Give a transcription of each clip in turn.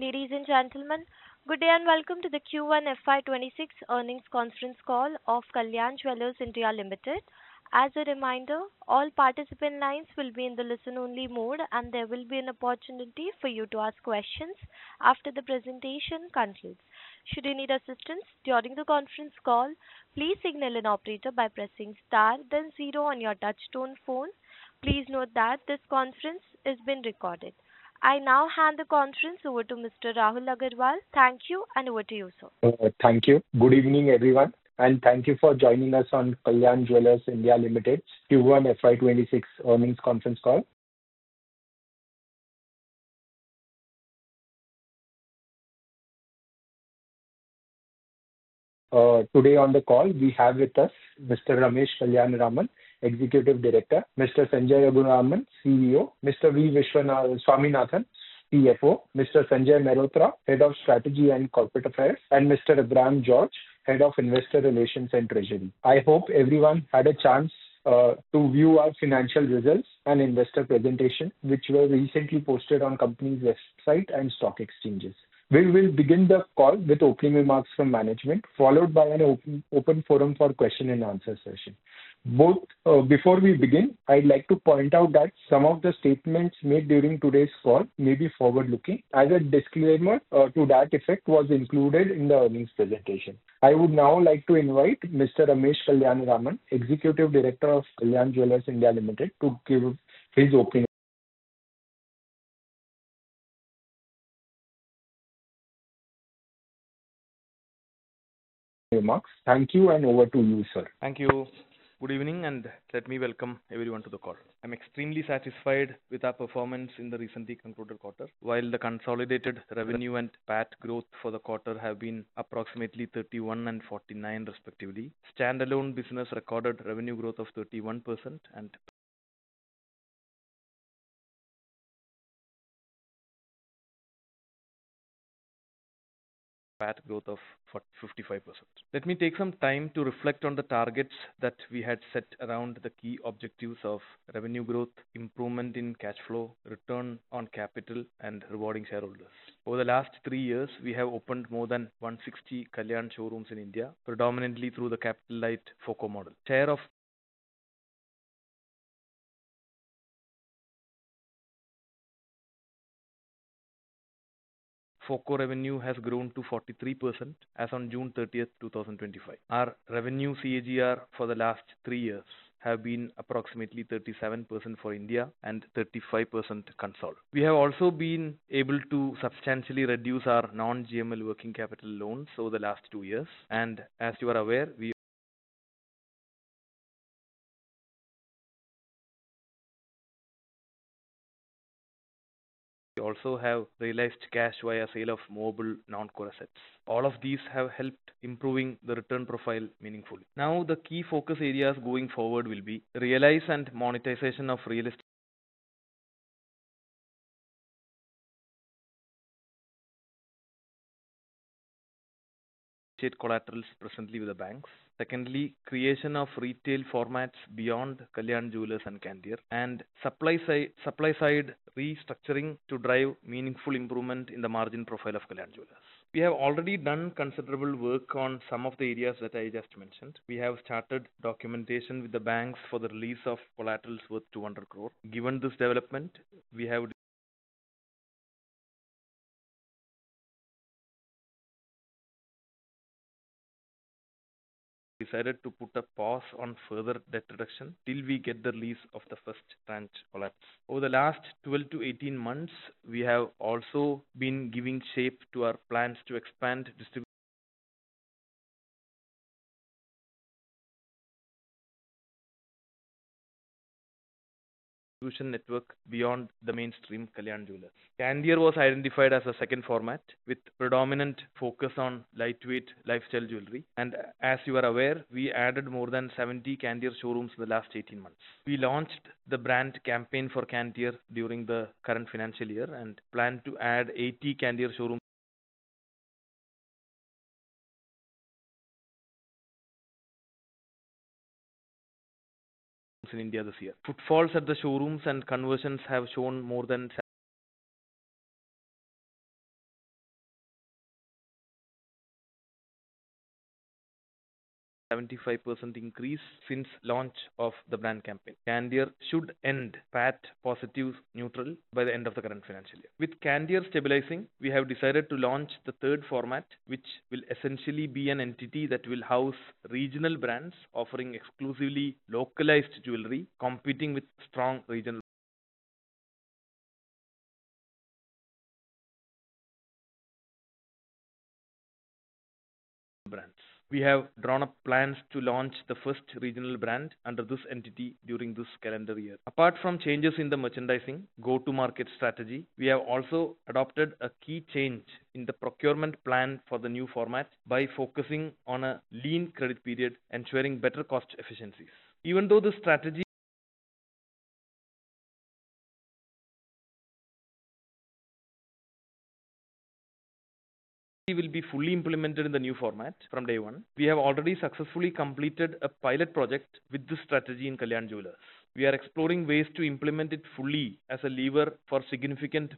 Ladies and gentlemen, good day and welcome to the Q1 FY 2026 Earnings Conference Call of Kalyan Jewellers India Limited. As a reminder, all participant lines will be in the listen only mode and there will be an opportunity for you to ask questions after the presentation concludes. Should you need assistance during the conference call, please signal an operator by pressing star then zero on your touch-tone phone. Please note that this conference has been recorded. I now hand the conference over to Mr. Rahul Agarwal. Thank you. Over to you, sir. Thank you. Good evening everyone and thank you for joining us on Kalyan Jewellers India Limited Q1 FY 2026 Earnings Conference Call. Today on the call we have with us Mr. Ramesh Kalyanaraman, Executive Director, Mr. Sanjay Raghuraman, CEO, Mr. Viswanathan Swaminathan, CFO, Mr. Sanjay Mehrotra, Head of Strategy and Corporate Affairs, and Mr. Abraham George, Head of Investor Relations and Treasury. I hope everyone had a chance to view our financial results and investor presentation which were recently posted on company's website and stock exchanges. We will begin the call with opening. Remarks from management followed by an open forum for question and answer session both. Before we begin, I'd like to point out that some of the statements made during today's call may be forward looking as a disclaimer to that effect was included in the earnings presentation. I would now like to invite Mr. Ramesh Kalyanaraman, Executive Director of Kalyan Jewellers India Limited, to give his opening remarks. Thank you. Thank you. Good evening and let me welcome everyone to the call. I'm extremely satisfied with our performance in the recently concluded quarter. While the consolidated revenue and PAT growth for the quarter have been approximately 31% and 49% respectively, standalone business recorded revenue growth of 31% and PAT growth of 55%. Let me take some time to reflect on the targets that we had set around the key objectives of revenue growth, improvement in cash flow, return on capital, and rewarding shareholders. Over the last three years, we have opened more than 160 Kalyan showrooms in India, predominantly through the Capital FOCO model. Share of FOCO revenue has grown to 43% as on June 30th, 2025. Our revenue CAGR for the last three years has been approximately 37% for India and 35% consolidated. We have also been able to substantially reduce our non-GML working capital loans over the last two years. As you are aware, we also have realized cash via sale of mobile non-core assets. All of these have helped improving the return profile meaningfully. Now the key focus areas going forward will be realize and monetization of real estate. State collaterals presently with the banks. Secondly, creation of retail formats beyond Kalyan Jewellers and Candere and supply side restructuring to drive meaningful improvement in the margin profile of Kalyan Jewellers. We have already done considerable work on some of the areas that I just mentioned. We have started documentation with the banks for the release of collaterals worth 200 crore. Given this development, we have decided to put a pause on further debt reduction till we get the lease of the first branch collapse over the last 12-18 months. We have also been giving shape to our plans to expand distribution fusion network beyond the mainstream. Kalyan Jewellers Candere was identified as a second format with predominant focus on lightweight lifestyle jewellery and as you are aware we added more than 70 Candere showrooms in the last 18 months. We launched the brand campaign for Candere during the current financial year and plan to add 80 Candere showrooms in India this year. Footfalls at the showrooms and conversions have shown more than 75% increase since launch of the brand campaign. Candere should end PAT positive neutral by the end of the current financial year. With Candere stabilizing, we have decided to launch the third format which will essentially be an entity that will house regional brands offering exclusively localized jewellery competing with strong regional brands. We have drawn up plans to launch the first regional brand under this entity during this calendar year. Apart from changes in the merchandising go to market strategy, we have also adopted a key change in the procurement plan for the new format by focusing on a lean credit period ensuring better cost efficiency efficiencies. Even though the strategy will be fully. Implemented in the new format from day one, we have already successfully completed a pilot project with this strategy in Candere. We are exploring ways to implement it fully as a lever for significant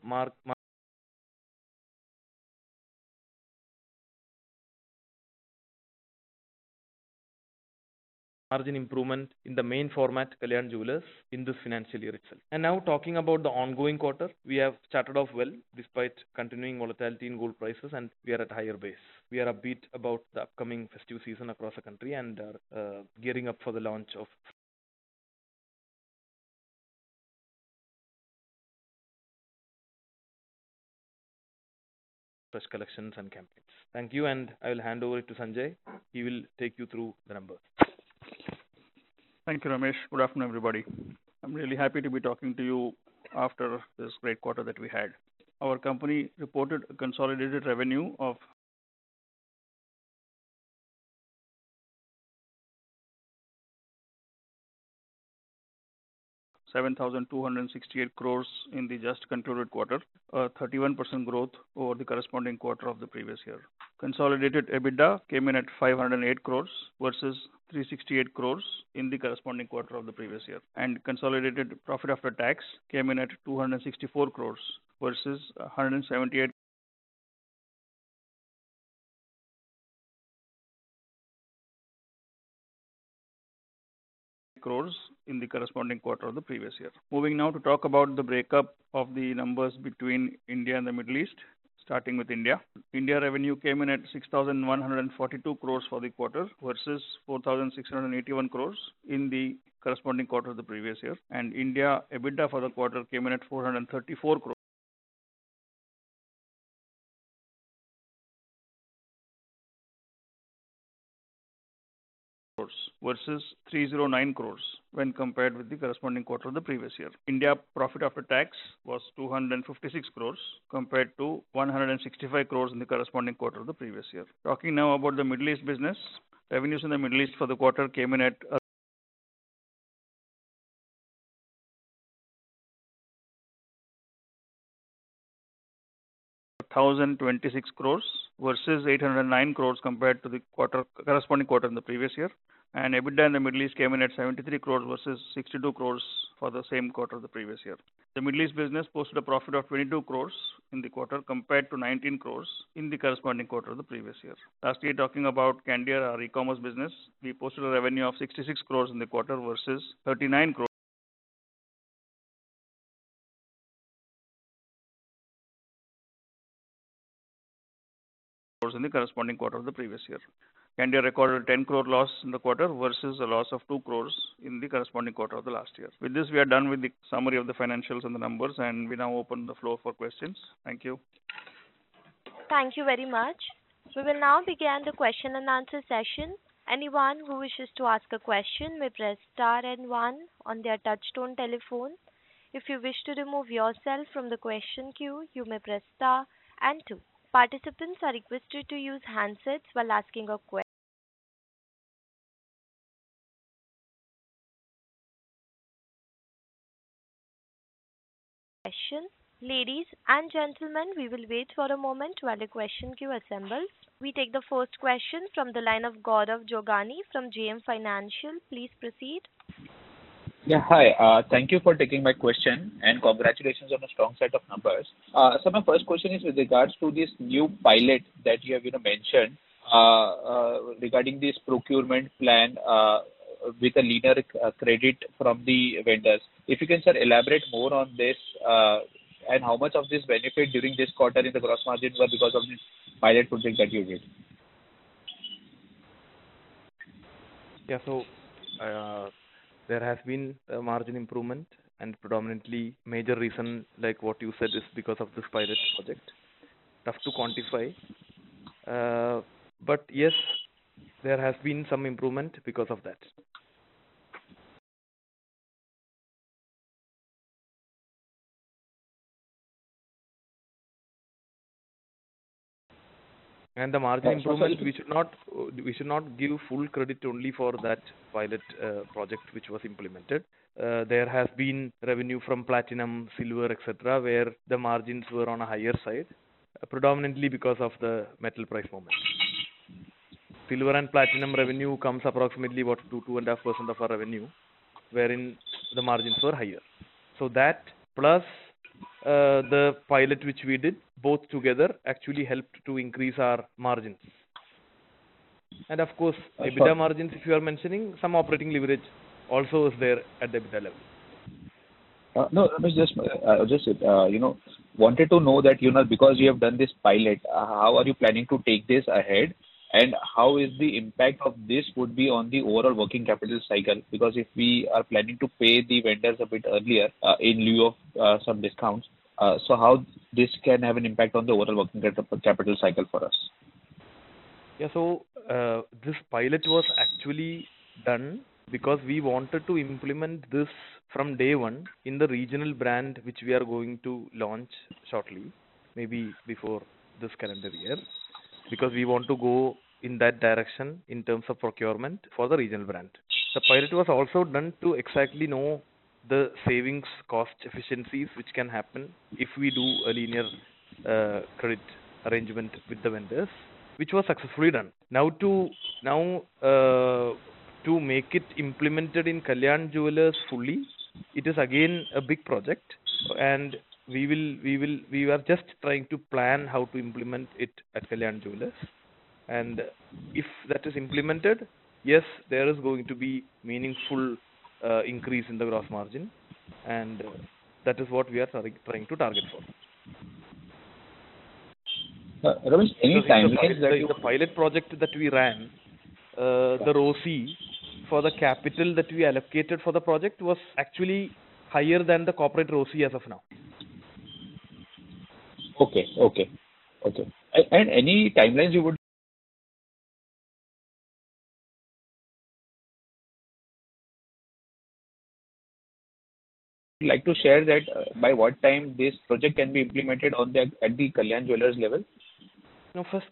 margin improvement in the main format Kalyan Jewellers in this financial year itself. Now, talking about the ongoing quarter, we have started off well despite continuing volatility in gold prices and we are at higher base. We are a bit about the upcoming festive season across the country and are gearing up for the launch of press collections and campaigns. Thank you and I will hand over it to Sanjay. He will take you through the numbers. Thank you, Ramesh. Good afternoon, everybody. I'm really happy to be talking to you after this great quarter that we had. Our company reported consolidated revenue of 7,268 crores in the just concluded quarter, a 31% growth over the corresponding quarter of the previous year. Consolidated EBITDA came in at 508 crores versus 368 crores in the corresponding quarter of the previous year. Consolidated profit after tax came in at 264 crores versus 178 crores. In the corresponding quarter of the previous year. Moving now to talk about the breakup of the numbers between India and the Middle East. Starting with India, India revenue came in at 6,142 crore for the quarter versus 4,681 crores in the corresponding quarter of the previous year. India EBITDA for the quarter came in at 434 crore. Versus 309 crores when compared with the corresponding quarter of the previous year. India profit after tax was 256 crores compared to 165 crores in the corresponding quarter of the previous year. Talking now about the Middle East business. Revenues in the Middle East for the quarter came in at 1,026 crores versus 809 crores compared to the corresponding quarter in the previous year. EBITDA in the Middle East came in at 73 crores versus 62 crores for the same quarter the previous year. The Middle East business posted a profit of 22 crores in the quarter compared to 19 crore in the corresponding quarter of the previous year. Last year. Talking about Candere, our e-commerce business, we posted a revenue of 66 crores in the quarter versus 39 crore in the corresponding quarter of the previous year. Candere recorded an 10 crore loss in the quarter versus a loss of 2 crores in the corresponding quarter of last year. With this, we are done with the summary of the financials and the numbers, and we now open the floor for questions. Thank you. Thank you very much. We will now begin the question and answer session. Anyone who wishes to ask a question may press star then one on their touch-tone telephone. If you wish to remove yourself from the question queue, you may press star and two. Participants are requested to use handsets while asking questions. Ladies and gentlemen, we will wait for a moment while the question queue assembles. We take the first question from the line of Gaurav Jogani from JM Financial. Please proceed. Yeah. Hi. Thank you for taking my question and congratulations on a strong set of numbers. My first question is with regards to this new pilot that you have mentioned regarding this procurement plan with a leaner credit from the vendors. If you can, sir, elaborate more on this and how much of this benefit during this quarter in the gross margin were because of the pilot project that you did? Yeah, so there has been a margin improvement and predominantly major reason like what you said is because of this pilot project. Tough to quantify. Yes, there has been some improvement because of that and the margin improvement. We should not give full credit only for that pilot project which was implemented. There has been revenue from platinum, silver, etc., where the margins were on a higher side, predominantly because of the metal price movement. Silver and platinum revenue comes approximately to 2.5% of our revenue, wherein the margins were higher. That plus the pilot, which we did, both together actually helped to increase our margins. Of course, EBITDA margins, if you are mentioning, some operating leverage also was at EBITDA level. Let me just, you know, wanted to know that, you know, because you have done this pilot, how are you planning to take this ahead and how is the impact of this would be on the overall working capital cycle? Because if we are planning to pay the vendors bit earlier in lieu of some discounts, how this can have an impact on the overall working capital cycle for us. Yeah, so this pilot was actually done because we wanted to implement this from day one in the regional brand, which we are going to launch shortly, maybe before this calendar year. We want to go in that direction in terms of procurement for the regional brand. The pilot was also done to exactly know the savings, cost efficiencies which can happen if we do a linear credit arrangement with the vendors, which was successfully done now to make it implemented in Kalyan Jewellers fully. It is again a big project and we were just trying to plan how to implement it at Kalyan Jewellers. If that is implemented, yes, there is going to be meaningful increase in the gross margin. That is what we are trying to target. Example, the pilot project that we rean, the ROCE for the capital that we allocated for the project was actually higher than the corporate ROCE as of now. Okay, okay, okay. Share any timelines you would like to share that by what time this project can be implemented on that at the Kalyan Jewellers level?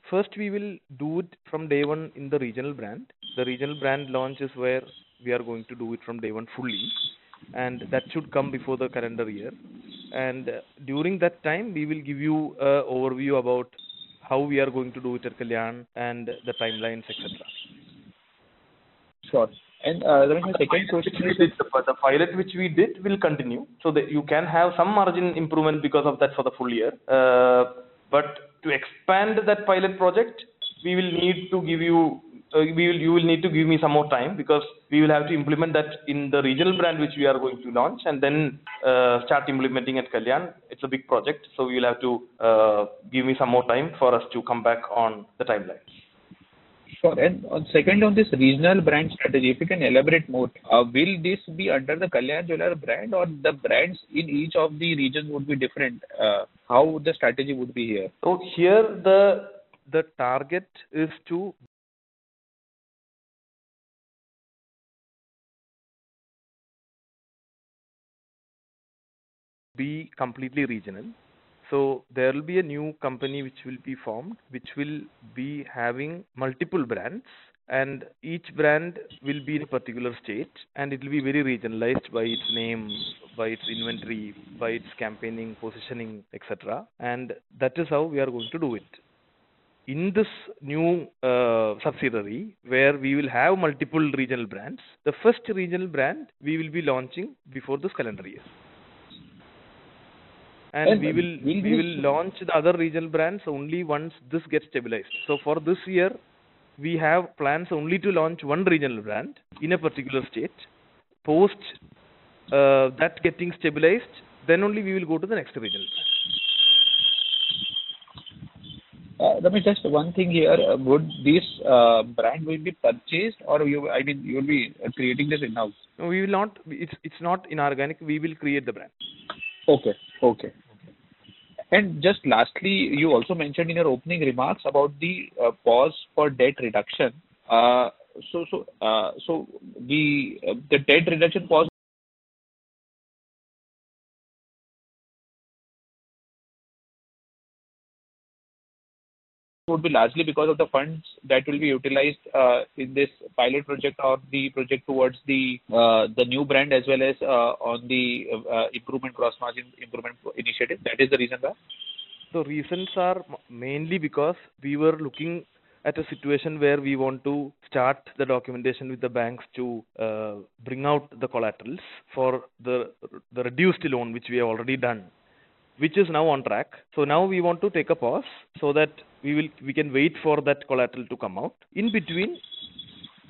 First, we will do it from day one in the regional brand. The regional brand launch is where we are going to do it from day one fully. That should come before the calendar year. During that time, we will give you an overview about how we are going to do with Kalyan and the timelines, etc. Sorry. The pilot which we did will continue so that you can have some margin improvement because of that for the full year. To expand that pilot project, we will need to give you some more time because we will have to implement that in the regional brand which we are going to launch and then start implementing at Kalyan. It's a big project, so you'll have to give me some more time for us to come back on the timeline. Sure. On second on this regional brand strategy, can you elaborate more? Will this be under the Kalyan Jewellers brand or the brands in each of the regions would be different? How the strategy would be here? The target is to be completely regional. There will be a new company which will be formed, which will be having multiple brands, and each brand will be in a particular state. It will be very regionalized by its name, by its inventory, by its campaigning, positioning, etc. That is how we are going to do it in this new subsidiary where we will have multiple regional brands. The first regional brand we will be launching before this calendar year, and we will launch the other regional brands only once this gets stabilized. For this year, we have plans only to launch one regional brand in a particular state. Post that getting stabilized, then only we will go to the next video. Let me just ask one thing here. Would this brand be purchased or you, I mean you'll be creating this now? We will not. It's not inorganic. We will create the brand. Okay. Okay. Lastly, you also mentioned in your opening remarks about the pause for debt reduction. The debt reduction pause would be largely because of the funds that will be utilized in this pilot project or the project towards the new brand as well as on the cross margin improvement initiative. That is the reason? The reasons are mainly because we were looking at a situation where we want to start the documentation with the banks to bring out the collaterals for the reduced loan which we have already done, which is now on track. Now we want to take a pause so that we can wait for that collateral to come out in between.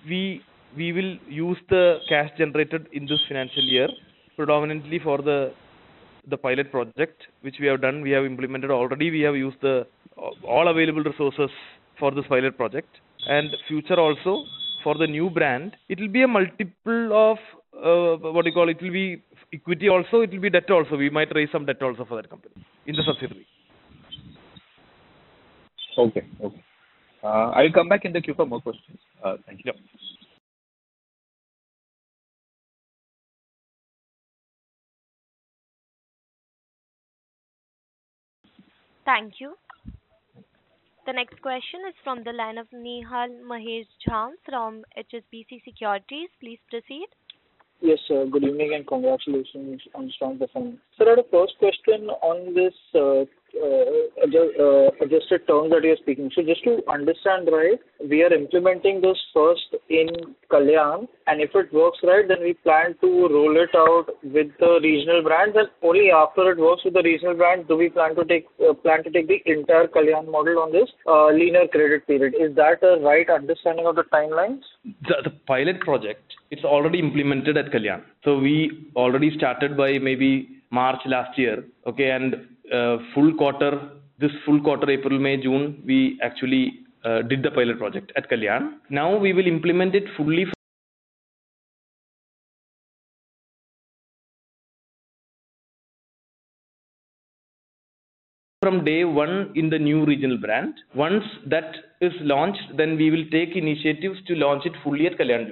We will use the cash generated in this financial year predominantly for the pilot project which we have done. We have implemented already. We have used all available resources for this pilot project and future also for the new brand. It will be a multiple of what you call. It will be equity. Also it will be debt. Also we might raise some debt also for that company in the subsidiary. Okay. Okay. I'll come back in the queue for more questions. Thank you. Thank you. The next question is from the line of Nihal Mahesh Jham from HSBC Securities. Please proceed. Yes, sir. Good evening and congratulations. First question on this, just a term that you're speaking. Just to understand, right, we are implementing this first in Kalyan. If it works, right, then we plan to roll it out with the regional brands. Only after it works with the regional brand do we plan to take the entire Kalyan model on this linear credit period. Is that the right understanding of the timelines? The pilot project, it's already implemented at Kalyan. We already started by maybe March last year. This full quarter, April, May, June, we actually did the pilot project at Kalyan. Now we will implement it fully from day one in the new regional brand. Once that is launched, we will take initiatives to launch it fully at Kalyan.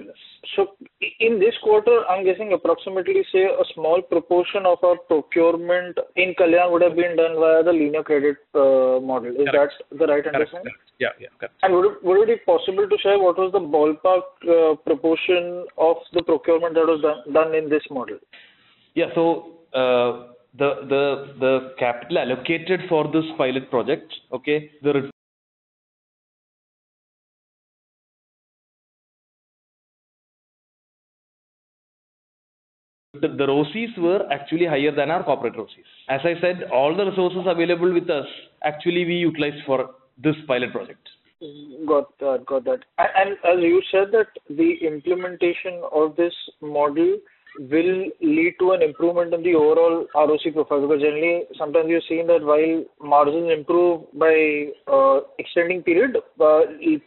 In this quarter, I'm guessing approximately, say, a small proportion of our procurement in Kalyan would have been done via the linear credit model. Is that the right understanding? Yeah. Would it be possible to share what was the ballpark proportion of the procurement that was done in this model? Yeah, the capital allocated for this pilot project. The ROCEs were actually higher than our corporate ROCEs. As I said, all the resources available with us actually we utilize for this pilot project. Got that. You said that the implementation of this module will lead to an improvement in the overall ROCE profile. Generally, sometimes you've seen that while margins improve by extending period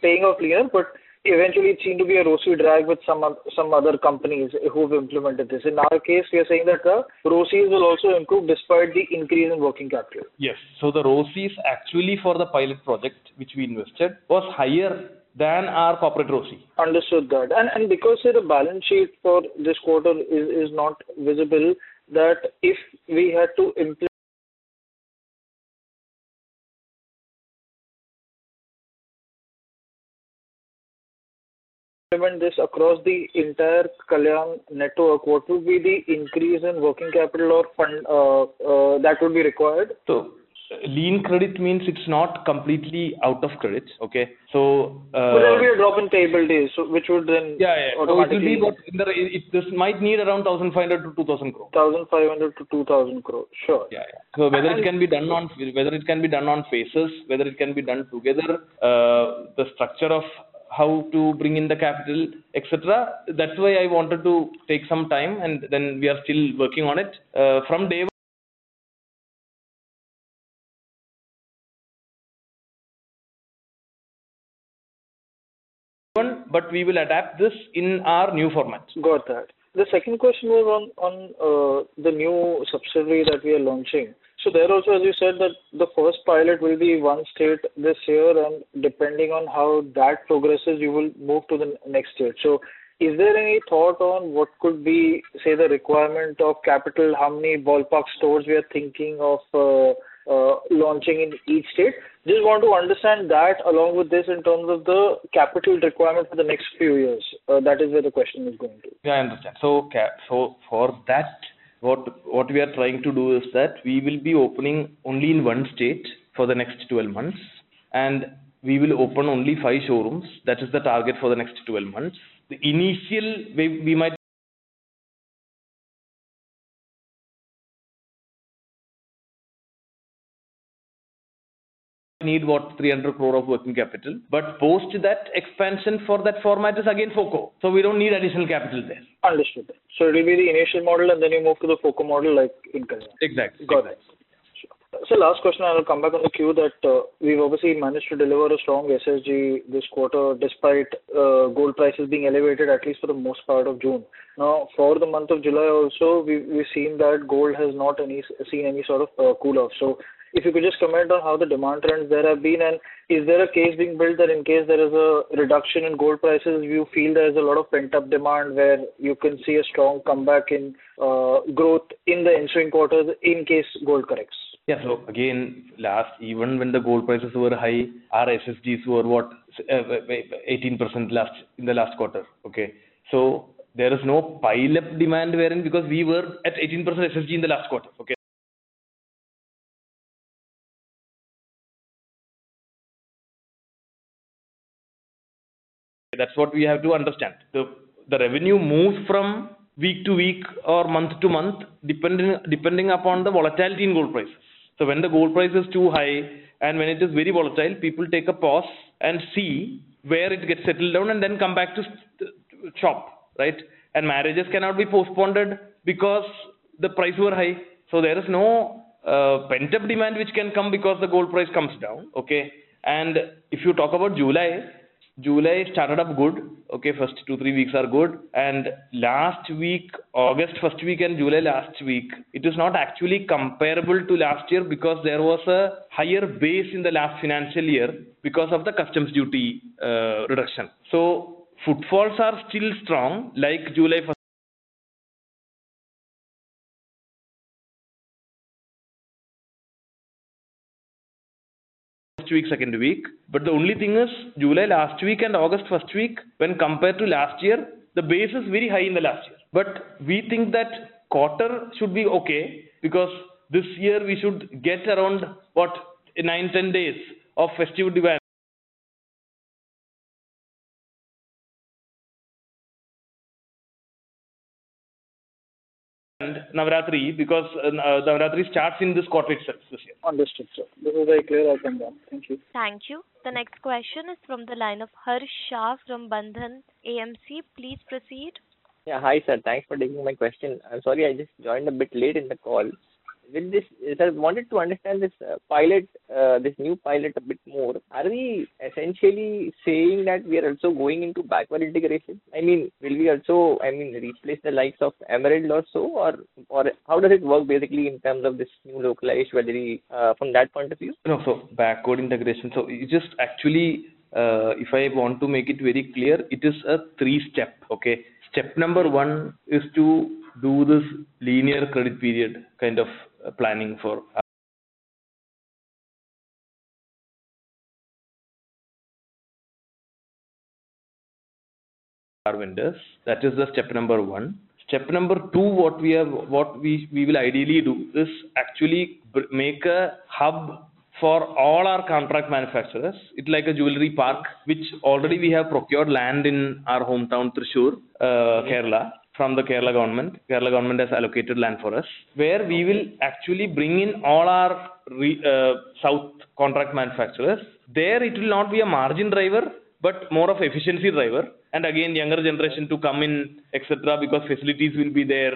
paying off lean, eventually it seemed to be a rosary drag with some other companies who've implemented this. In our case, we are saying that the ROCE will also improve despite the increase in working capital. Yes. The ROCE actually for the pilot project which we invested was higher than our corporate ROCE. Understood. Because the balance sheet for this quarter is not visible, if we had to implement this across the entire Kalyan network, what would be the increase in working capital or fund that would be required? Lean credit means it's not completely out of credit. There will be a drop in payability which would then. Yeah, this might need around INR 1,500crore-INR 2,000 crore. 1,500 crore-2,000 crore. Sure. Yeah. Whether it can be done on faces, whether it can be done together, the structure of how to bring in the capital, etc. That's why I wanted to take some time, and we are still working on it from day, but we will adapt this in our new formats. Got that? The second question was on the new subsidiary that we are launching. There also, as you said, the first pilot will be one state this year, and depending on how that progresses, you will move to the next year. Is there any thought on what could be, say, the requirement of capital, how many ballpark stores we are thinking of launching in each state? I just want to understand that along with this in terms of the capital requirement for the next few years. That is where the question is going to. I understand. For that, what we are trying to do is that we will be opening only in one state for the next 12 months and we will open only five showrooms. That is the target for the next 12 months. Initially, we might need 300 crore of working capital. After that, expansion for that format is again FOCO. We don't need additional capital there. Understood. It will be the initial model and then you move to the FOCO model like. Exactly. Last question, I'll come back on the queue that we've obviously managed to deliver a strong SSG this quarter despite gold prices being elevated at least for the most part of June. Now for the month of July also we've seen that gold has not seen any sort of cool off. If you could just comment on how the demand trends there have been and is there a case being built that in case there is a reduction in gold prices you feel there is a lot of pent up demand where you can see a strong comeback in growth in the ensuing quarters in case gold corrects. Yeah. Last, even when the gold prices were high, our SSGs were what, 18% in the last quarter. There is no pile up demand wherein because we were at 18% SSG in the last quarter. That's what we have to understand. The revenue moves from week to week or month to month depending upon the volatility in gold price. When the gold price is too high and when it is very volatile, people take a pause and see where it gets settled down and then come back to shop. Marriages cannot be postponed because the price was high. There is no pent up demand which can come because the gold price comes down. If you talk about July, July started up good. First two, three weeks are good. Last week, August first week and July last week, it is not actually comparable to last year because there was a higher base in the last financial year because of the customs duty reduction. Footfalls are still strong like July. First, second week. The only thing is July last week and August first week when compared to last year, the base is very high in the last year. We think that quarter should be okay because this year we should get around, what, nine-10 days of festive. Divine. Navaratri starts in this quarter itself. Understood, sir. This is very clear. Thank you. Thank you. The next question is from the line of Harsh Shah from Bandhan AMC. Please proceed. Yeah. Hi sir, thanks for taking my question. I'm sorry I just joined a bit late in the call. With this is, I wanted to understand this pilot, this new pilot a bit more. Are we essentially saying that we are also going into backward integration? I mean, will we also replace the likes of Emerald or so, or how does it work basically in terms of this new localized valley from that point of view? No. Backward integration is actually, if I want to make it very clear, a three-step process. Step number one is to do this linear credit period kind of planning for our vendors. That is step number one. Step number two, what we will ideally do is actually make a hub for all our contract manufacturers, like a jewellery park, for which we have already procured land in our hometown, Thrissur, Kerala, from the Kerala Government. The Kerala Government has allocated land for us where we will actually bring in all our south contract manufacturers. It will not be a margin driver but more of an efficiency driver, and again, younger generation to come in, etc., because facilities will be there.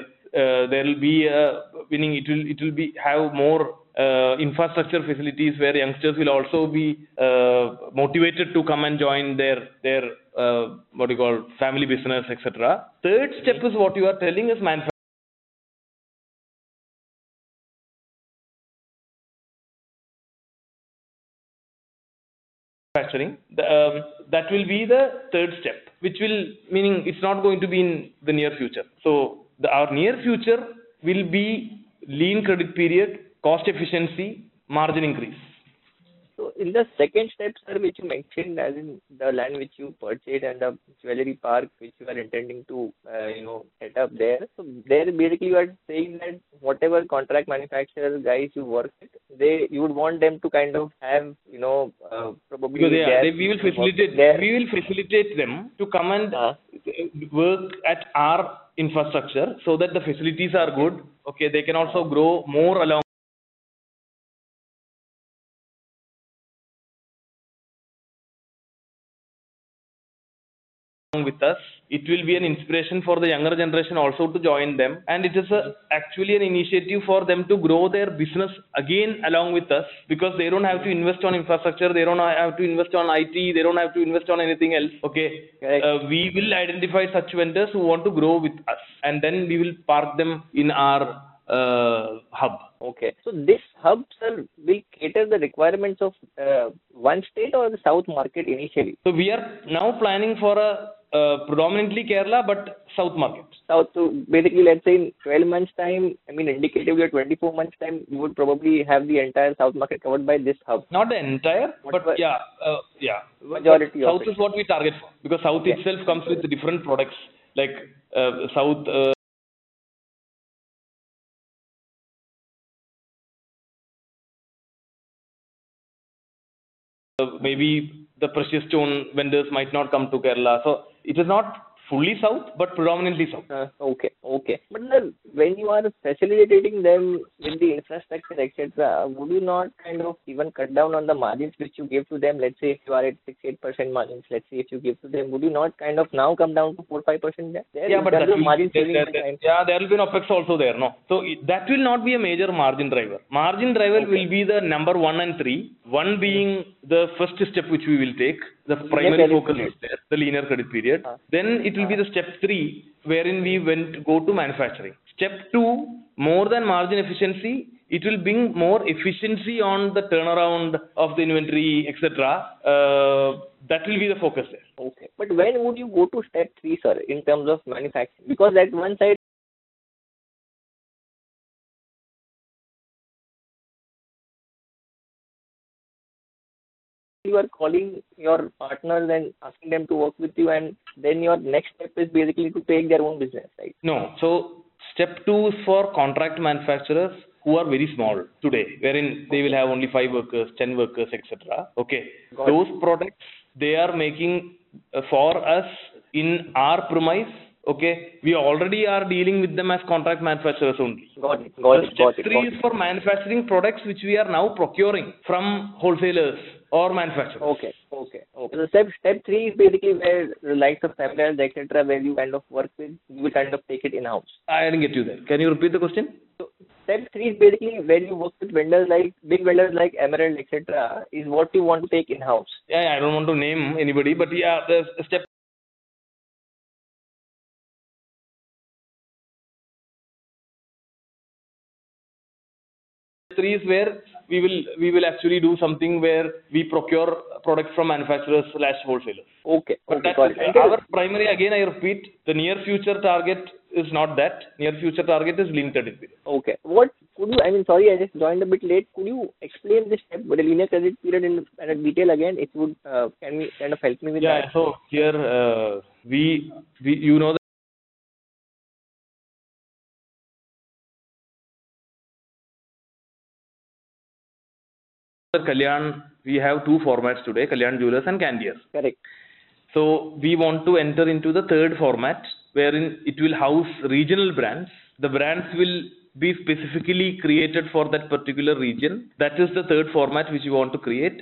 It will have more infrastructure facilities where youngsters will also be motivated to come and join their family business, etc. Third step is what you are telling is manufacturing. That will be the third step, which will mean it's not going to be in the near future. Our near future will be lean credit period, cost efficiency, margin increase. In the second step, sir, which you mentioned as in the line which you purchased and the jewellery park which you are intending to set up there, basically you are saying that whatever contract manufacturer guys you work, you would want them to kind of. We will facilitate that. We will facilitate them to come and work at our infrastructure so that the facilities are good. They can also grow more along with us. It will be an inspiration for the younger generation also to join them and it is actually an initiative for them to grow their business again along with us because they don't have to invest on infrastructure, they don't have to invest on it, they don't have to invest on anything else. We will identify such vendors who want to grow with us, and then we will park them in our hub. Okay. Okay. These hubs are big. It has the requirements of one state or the south market initially. We are now planning for a predominantly Kerala but south market. Basically, let's say in 12 months' time, I mean indicatively 24 months' time, you would probably have the entire South market covered by this house. Not the entire, but yeah, yeah. Majority house is what we target because south itself comes with different products like south. Maybe the precious stone vendors might not come to Kerala. It is not fully south but predominantly south. Okay. When you are facilitating them in the infrastructure, etc., would you not kind of even cut down on the margins which you give to them? Let's say if you are at 6%-8% margins, let's see if you give to them, would you not kind of now come down to 5%? Yeah, there will be an OpEx also there. No. That will not be a major margin driver. Margin driver will be the number one and three. One being the first step which we will take. The primary focus is there, the linear credit period. Then it will be the step three wherein we go to manufacturing. Step two, more than margin efficiency, it will bring more efficiency on the turnaround of the inventory, that will be the focus there. Okay, when would you go to step three, sir, in terms of manufacturing? Because at one side you are calling your partners and asking them to work with you, and then your next step is basically to take their own business, right? No. Step two is for contract manufacturers who are very small today, wherein they will have only five workers, 10 workers, etc. Those products they are making for us in our premise. We already are dealing with them as contract manufacturers only. Got it. Three is for manufacturing products, which we are now procuring from wholesalers or manufacturers. Step three is basically where the likes of Emerald etc. where you kind of work with, we kind of take it in house. I didn't get you there. Can you repeat the question? Step three is basically when you work with vendors like big vendors like Emerald, etc., is what you want to take in house. Yeah, I don't want to name anybody, but there's a step three where we will actually do something where we procure products from manufacturers, slash wholesalers. Okay. Our primary, I repeat, the near future target is not that near future target is linear. Okay. What could you? I just joined a bit late. Could you explain this linear credit period in detail? Can you help me with that? Here at Kalyan, we have two formats today: Kalyan Jewellers and Candere. Correct. We want to enter into the third format wherein it will house regional brands. The brands will be specifically created for that particular region. That is the third format which we want to create.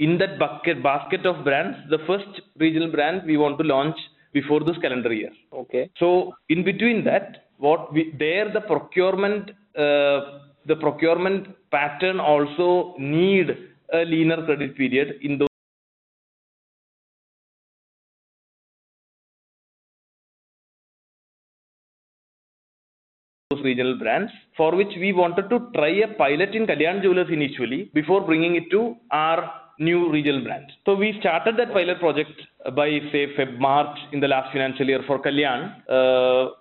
In that basket of brands, the first regional brand we want to launch before this calendar year. Okay. In between that, what we there. The procurement. The procurement pattern also need a leaner credit period in those regional brands for which we wanted to try a pilot in Kalyan Jewellers initially before bringing it to our new regional brand. We started that pilot project by, say, February in the last financial year for Kalyan.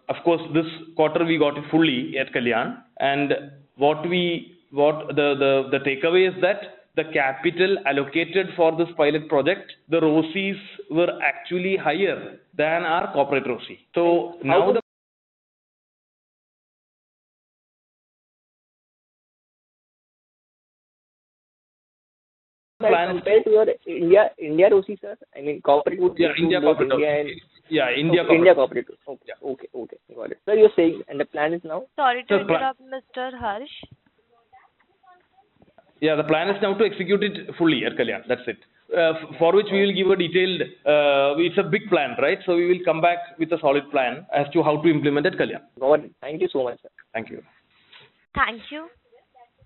Of course, this quarter we got fully at Kalyan. What we. What the, The takeaway is that the capital allocated for this pilot project, the ROCE, were actually higher than our corporate ROCE. Now. Okay, got it. You're saying the plan is now. Sorry, Mr. Harsh. Yeah. The plan is now to execute it fully. That's it. For which we will give a detailed, it's a big plan. Right. We will come back with a solid plan as to how to implement it. Thank you so much. Thank you. Thank you.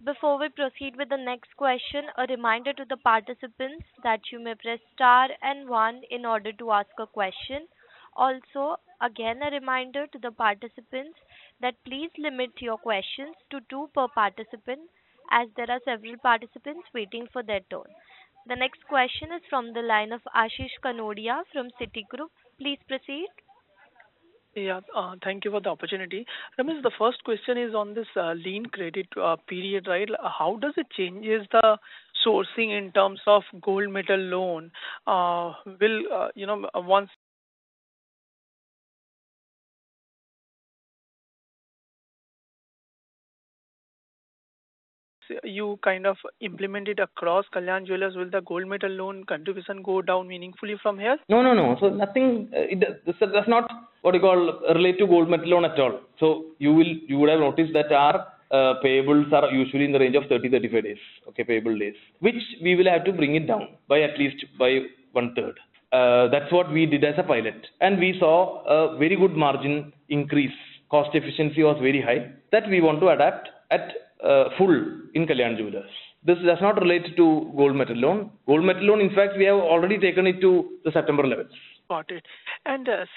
Before we proceed with the next question, a reminder to the participants that you may press star and one in order to ask a question. Also, again, a reminder to the participants that please limit your questions to two per participant as there are several participants waiting for their turn. The next question is from the line of Ashish Kanodia from Citigroup. Please proceed. Yeah. Thank you for the opportunity. Ramesh, the first question is on this lean credit period, right. How does it change the sourcing in terms of GML? Will, you know, once you kind of implement it across Kalyan Jewellers, will the GML contribution go down meaningfully from here? No, no, no. There is nothing that does not relate to gold metal loan at all. You would have noticed that our payables are usually in the range of 30-35 days. Payable days, which we will have to bring down by at least by 1/3. That's what we did as a pilot and we saw a very good margin increase. Cost efficiency was very high that we want to adapt at full in Kalyan Jewellers. This does not relate to gold metal loan. Gold metal loan, in fact, we have already taken it to the September 11th. Got it.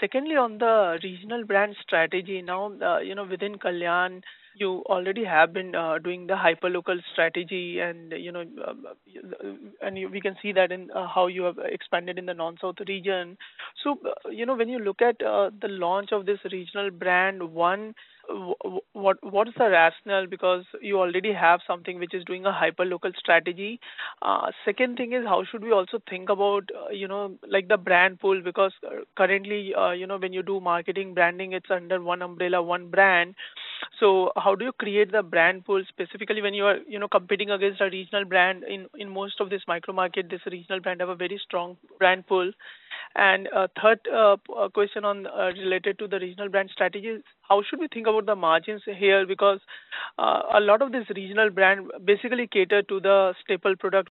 Secondly, on the regional brand strategy, within Kalyan you already have been doing the hyperlocal strategy. We can see that in how you have expanded in the non-south region. When you look at the launch of this regional brand, what is the rationale? You already have something which is doing a hyperlocal strategy. How should we also think about the brand pool? When you do marketing branding, it's under one umbrella, one brand. How do you create the brand pool specifically when you are competing against a regional brand in most of this micro market? This regional brand has a very strong brand pool. Third question related to the regional brand strategies, how should we think about the margins here? A lot of this regional brand basically caters to the staple product,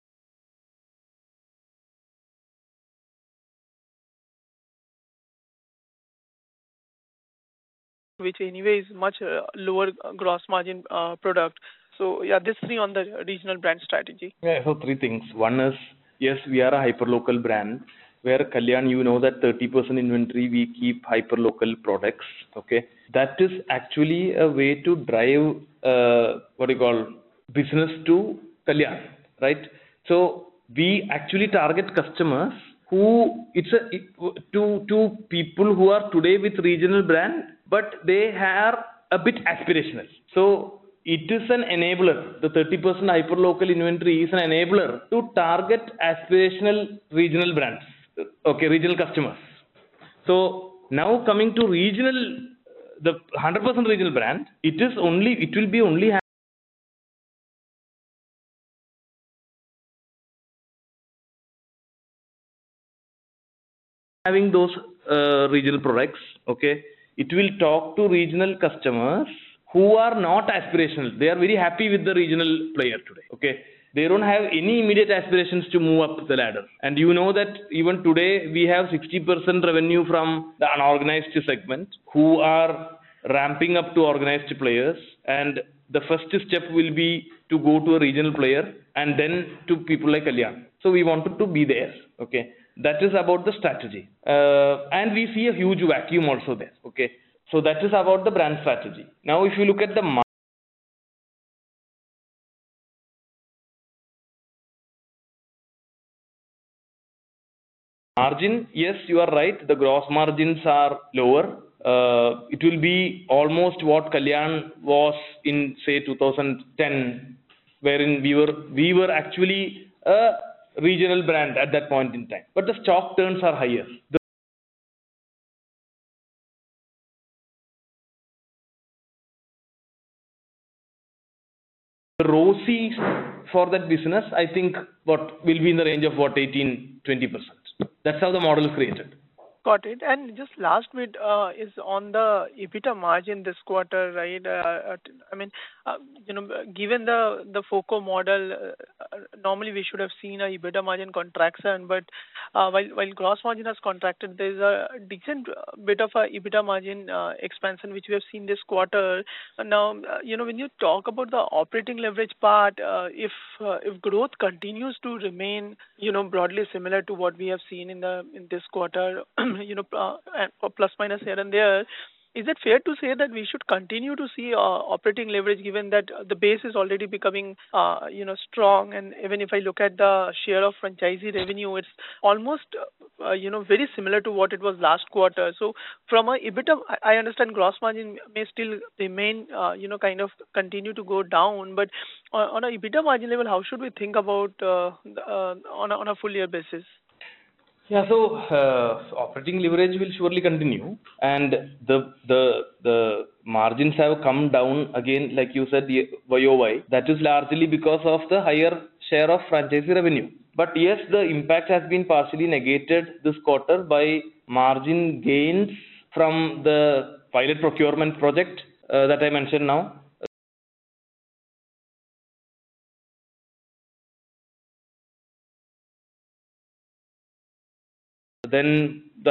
which is anyways much lower gross margin product. These three on the regional brand strategy. Yeah, so three things. One is yes, we are a hyperlocal brand where Kalyan, you know that 30% inventory we keep hyperlocal products. That is actually a way to drive what you call business to Kalyan, right? We actually target customers who are today with regional brands, but they are a bit aspirational. It is an enabler. The 30% hyperlocal inventory is an enabler to target aspirational regional brands, regional customers. Now, coming to regional, the 100% regional brand, it is only, it will be only having those regional products. It will talk to regional customers who are not aspirational. They are very happy with the regional player today. They don't have any immediate aspirations to move up the ladder. You know that even today we have 60% revenue from the unorganized segment who are ramping up to organized players. The first step will be to go to a regional player and then to people like Kalyan. We wanted to be there. That is about the strategy. We see a huge vacuum also there. That is about the brand strategy. If you look at the margin, yes, you are right, the gross margins are lower. It will be almost what Kalyan was in, say, 2010, wherein we were actually a regional brand at that point in time. The stock turns are higher. ROCE for that business, I think what will be in the range of 18%-20%. That's how the model is created. Got it. Just last bit is on the EBITDA margin this quarter, right? I mean given the FOCO model, normally we should have seen a EBITDA margin contraction, but while gross margin has contracted, there's a decent bit of EBITDA margin expansion which we have seen this quarter. When you talk about the operating leverage part, if growth continues to remain broadly similar to what we have seen in this quarter, plus minus here and there, is it fair to say that we should continue to see operating leverage given that the base is already becoming strong? Even if I look at the share of franchisee revenue, it's almost very similar to what it was last quarter. From a EBITDA, I understand gross margin may still remain kind of continue to go down, but on a EBITDA margin level, how should we think about on a full year basis? Yeah. Operating leverage will surely continue and the margins have come down again like you said year-over-year, that is largely because of the higher share of franchise revenue. Yes, the impact has been partially negated this quarter by margin gains from the pilot procurement project that I mentioned now, then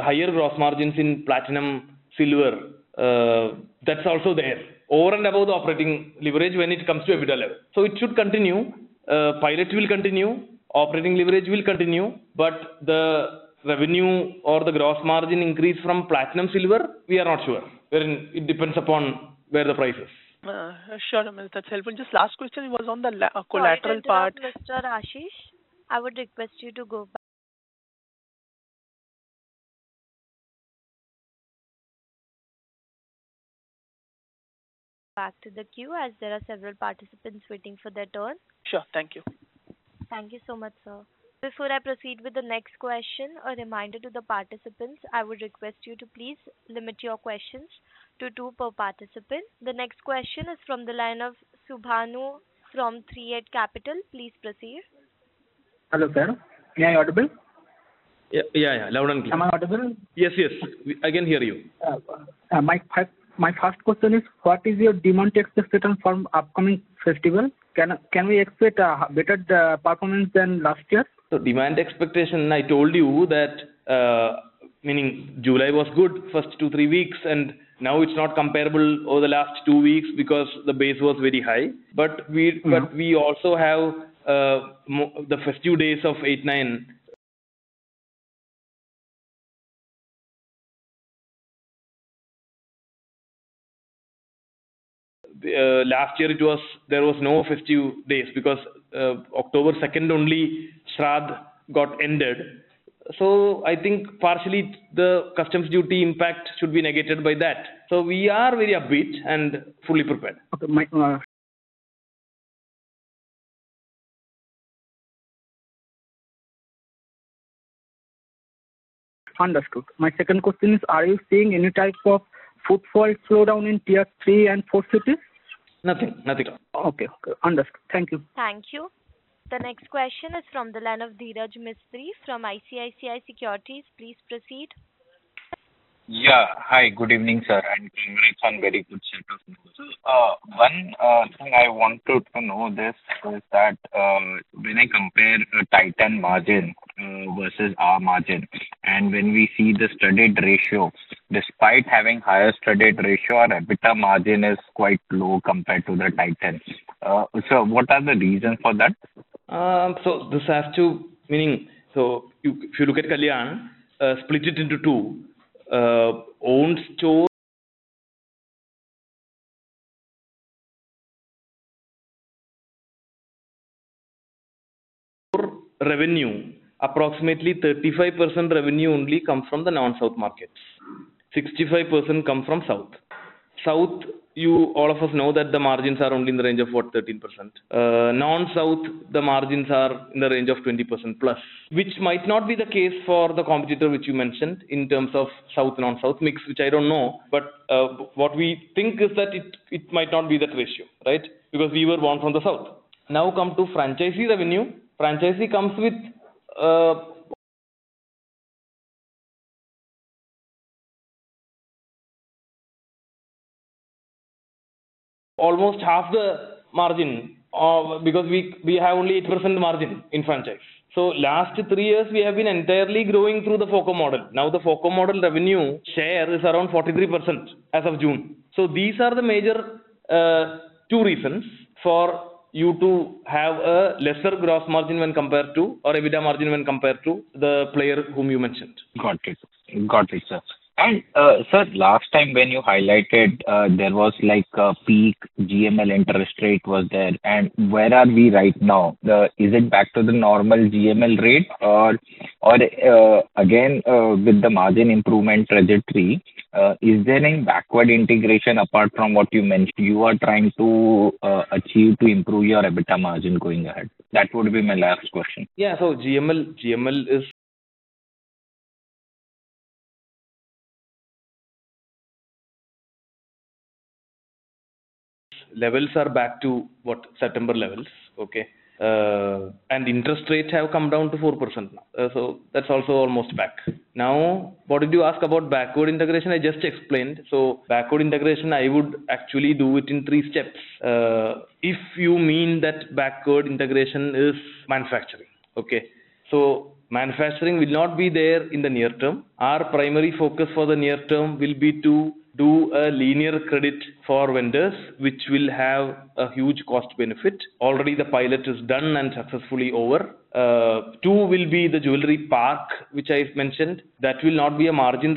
higher gross margins in platinum jewellery and silver jewellery are also there over and above the operating leverage when it comes to EBITDA level. It should continue. The pilot will continue, operating leverage will continue, but the revenue or the gross margin increase from platinum jewellery and silver jewellery we are not sure, wherein it depends upon where the price is. Sure, that's helpful. Just, last question was on the collateral part. Mr. Ashish, I would request you to go back to the queue, as there are several participants waiting for their turn. Sure, thank you. Thank you so much, sir. Before I proceed with the next question, a reminder to the participants: I would request you to please limit your questions to two per participant. The next question is from the line of [Subhanu from Three Eight Capital]. Please proceed. Hello sir, am I audible? Yes, yes, I can hear you. My first question is what is your demand tax return from upcoming festival? Can we expect a better performance than last year? Demand expectation, I told you that July was good, first two, three weeks, and now it's not comparable over the last two weeks because the base was very high. We also have the first few days of 89; last year it was, there was no 50 days because October 2nd only Shradh got ended. I think partially the customs duty impact should be negated by that, so we are very upbeat and fully prepared. Okay. Understood. My second question is are you seeing any type of footfall slowdown in tier three and positive. Nothing. Nothing. Okay. Understood. Thank you. Thank you. The next question is from the line of Dhiraj Mistry from ICICI Securities. Please proceed. Yeah. Hi. Good evening, sir. Very good set of. One thing I wanted to know is that when I compare Titan margin versus our margin and when we see the studded ratio, despite having higher studded ratio, our EBITDA margin is quite low compared to the Titan's. What are the reasons for that? This has two meanings. If you look at Kalyan Jewellers India Limited, split it into two, own store revenue, approximately 35% revenue only comes from the non-South markets. 65% comes from South. All of us know that the margins are only in the range of 13%. Non-South, the margins are in the range of 20%+, which might not be the case for the competitor which you mentioned. In terms of South and non-South mix, which I don't know, what we think is that it might not be that ratio, right, because we were born from the South. Now, come to franchisee revenue. Franchisee comes with almost half the margin, because we have only 8% margin in franchise. The last three years we have been entirely growing through the FOCO model. Now, the FOCO model revenue share is around 43% as of June. These are the major two reasons for you to have a lesser gross margin or EBITDA margin when compared to the player whom you mentioned. Got it. Got it, sir. Last time when you highlighted there was like a peak GML interest rate was there. Where are we right now? Is it back to the normal GML rate or again with the margin improvement trajectory? Is there any backward integration apart from what you mentioned you are trying to achieve to improve your EBITDA margin going ahead? That would be my last question. Yeah. GML levels are back to what September levels. Interest rates have come down to 4%. That's also almost back. What did you ask about backward integration? I just explained. Backward integration, I would actually do it in three steps. If you mean that backward integration is manufacturing, manufacturing will not be there in the near term. Our primary focus for the near term will be to do a linear credit for vendors, which will have a huge cost benefit. Already the pilot is done and successfully over. Two will be the jewellery park, which I've mentioned. That will not be a margin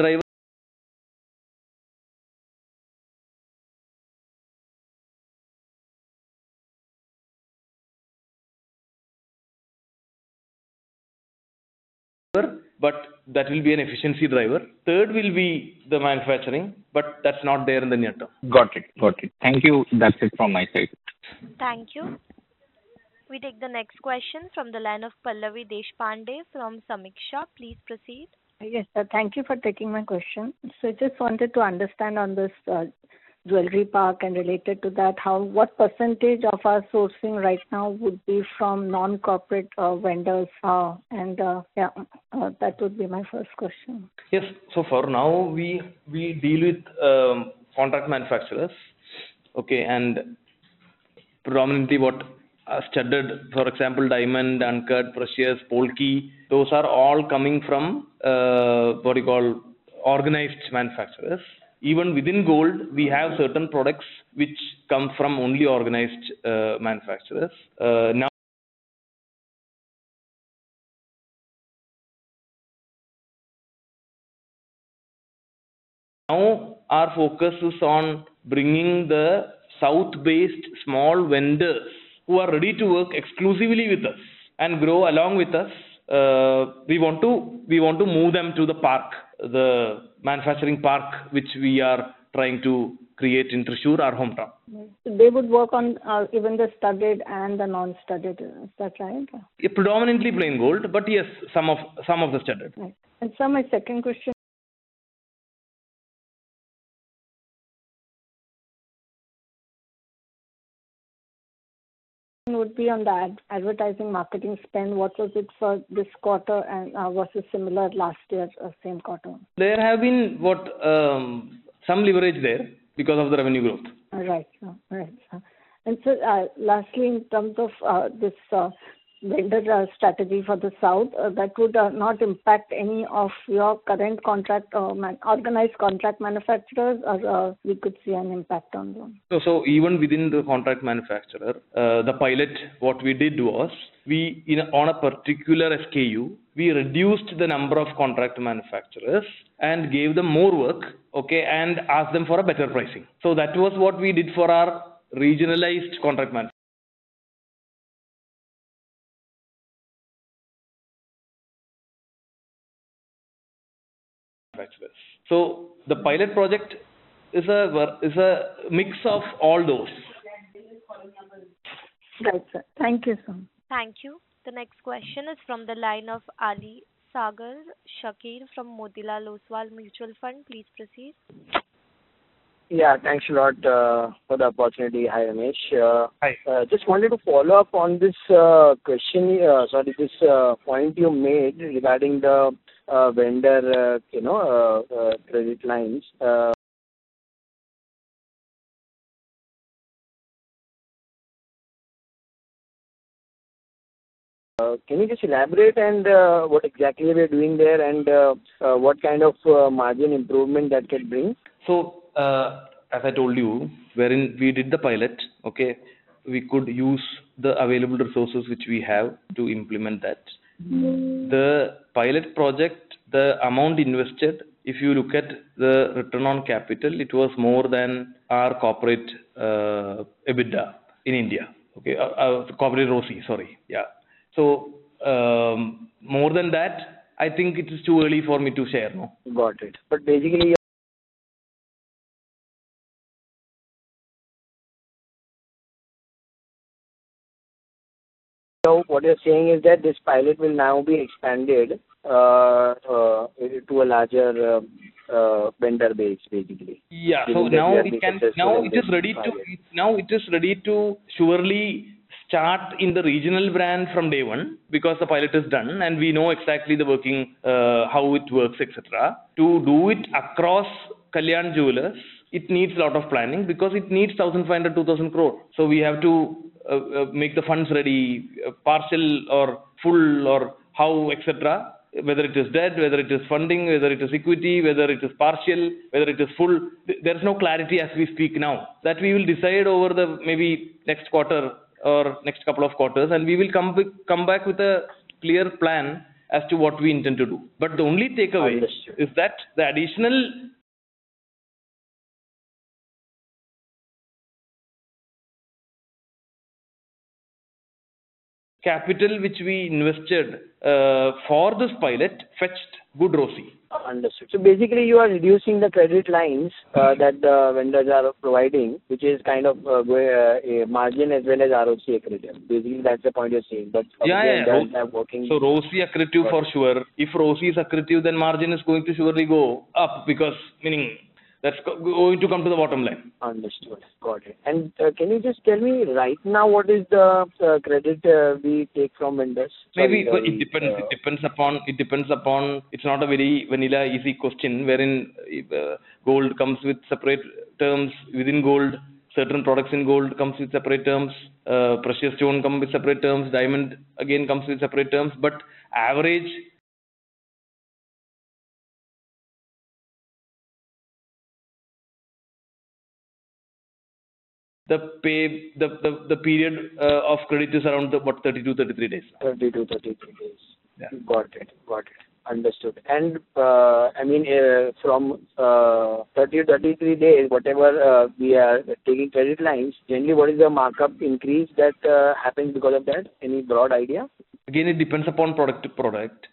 driver. Sir? That will be an efficiency driver. The third will be the manufacturing, but that's not there in the near term. Got it. Got it. Thank you. That's it from my side. Thank you. We take the next question from the line of Pallavi Deshpande from Sameeksha. Please proceed. Yes, thank you for taking my question. I just wanted to understand on this jewellery park and related to that, what percentage of our sourcing right now would be from non-corporate vendors? That would be my first question. Yes. For now, we deal with contract manufacturers. Okay. Predominantly what are studded, for example diamond, uncut, precious, Polki. Those are all coming from what you call organized manufacturers. Even within gold we have certain products which come from only organized manufacturers. Now our focus is on bringing the south based small vendors who are ready to work exclusively with us and grow along with us. We want to move them to the park, the manufacturing park which we are trying to create in Thrissur, our hometown. They would work on even the studded and the non-studded, that's right. Predominantly plain gold, yes, some of the studded. My second question would be on that advertising, marketing spend, what was it for this quarter, and was it similar last year, same quarter? There have been some leverage there because of the revenue growth. Right. Lastly, in terms of this vendor strategy for the south, that would not impact any of your current contract or organized contract manufacturers, as we could see an impact on those. Even within the contract manufacturer, the pilot, what we did was we, on a particular SKU, reduced the number of contract manufacturers and gave them more work. Okay. We asked them for a better pricing. That was what we did for our regionalized contract manufacturer. The pilot project is a mix of all those. Thank you, sir. Thank you. The next question is from the line of Aliasgar Shakir from Motilal Oswal Mutual Fund. Please proceed. Yeah, thanks a lot for the opportunity. Hi Ramesh. I just wanted to follow up on this question. Sorry, this point you made regarding the vendor, you know, credit lines. Can you just elaborate and what exactly we're doing there and what kind of margin improvement that can bring? As I told you, wherein we did the pilot, we could use the available resources which we have to implement that. The pilot project, the amount invested, if you look at the return on capital, it was more than our corporate EBITDA in India. Okay. Sorry. Yeah, more than that I think it is too early for me to share. Got it. What you're saying is that this pilot will now be expanded to a larger vendor base, basically. Yeah. Now it is ready to surely start in the regional brand from day one because the pilot is done and we know exactly the working, how it works, etc. To do it across Kalyan Jewellers, it needs a lot of planning because it needs 1,500 crore-2,000 crore. We have to make the funds ready, partial or full or how, etc. Whether it is debt, whether it is funding, whether it is equity, whether it is partial, whether it is full. There is no clarity as we speak now. We will decide over the next quarter or next couple of quarters and we will come back with a clear plan as to what we intend to do. The only takeaway is that the additional capital which we invested for this pilot fetched good, ROCE. Understood. Basically, you are reducing the credit lines that the vendors are providing, which is kind of a margin as well as ROCE accretive. That's the point you're seeing. Yeah, yeah. ROCE, accretive for sure. If ROCE is accretive, then margin is going to surely go up because meaning that's going to come to the bottom line. Understood, got it. Can you just tell me right now what is the credit we take from vendors? It depends upon. It's not a very vanilla easy question wherein gold comes with separate terms. Within gold, certain products in gold come with separate terms. Precious stone comes with separate terms. Diamond again comes with separate terms. On average, the period of credit is around 30-33 days. 30-33 days. Got it, got it. Understood. I mean from 30-33 days, whatever we are taking credit lines, generally what is the markup increase that happens because of that? Any broad idea? Again, it depends upon product to product.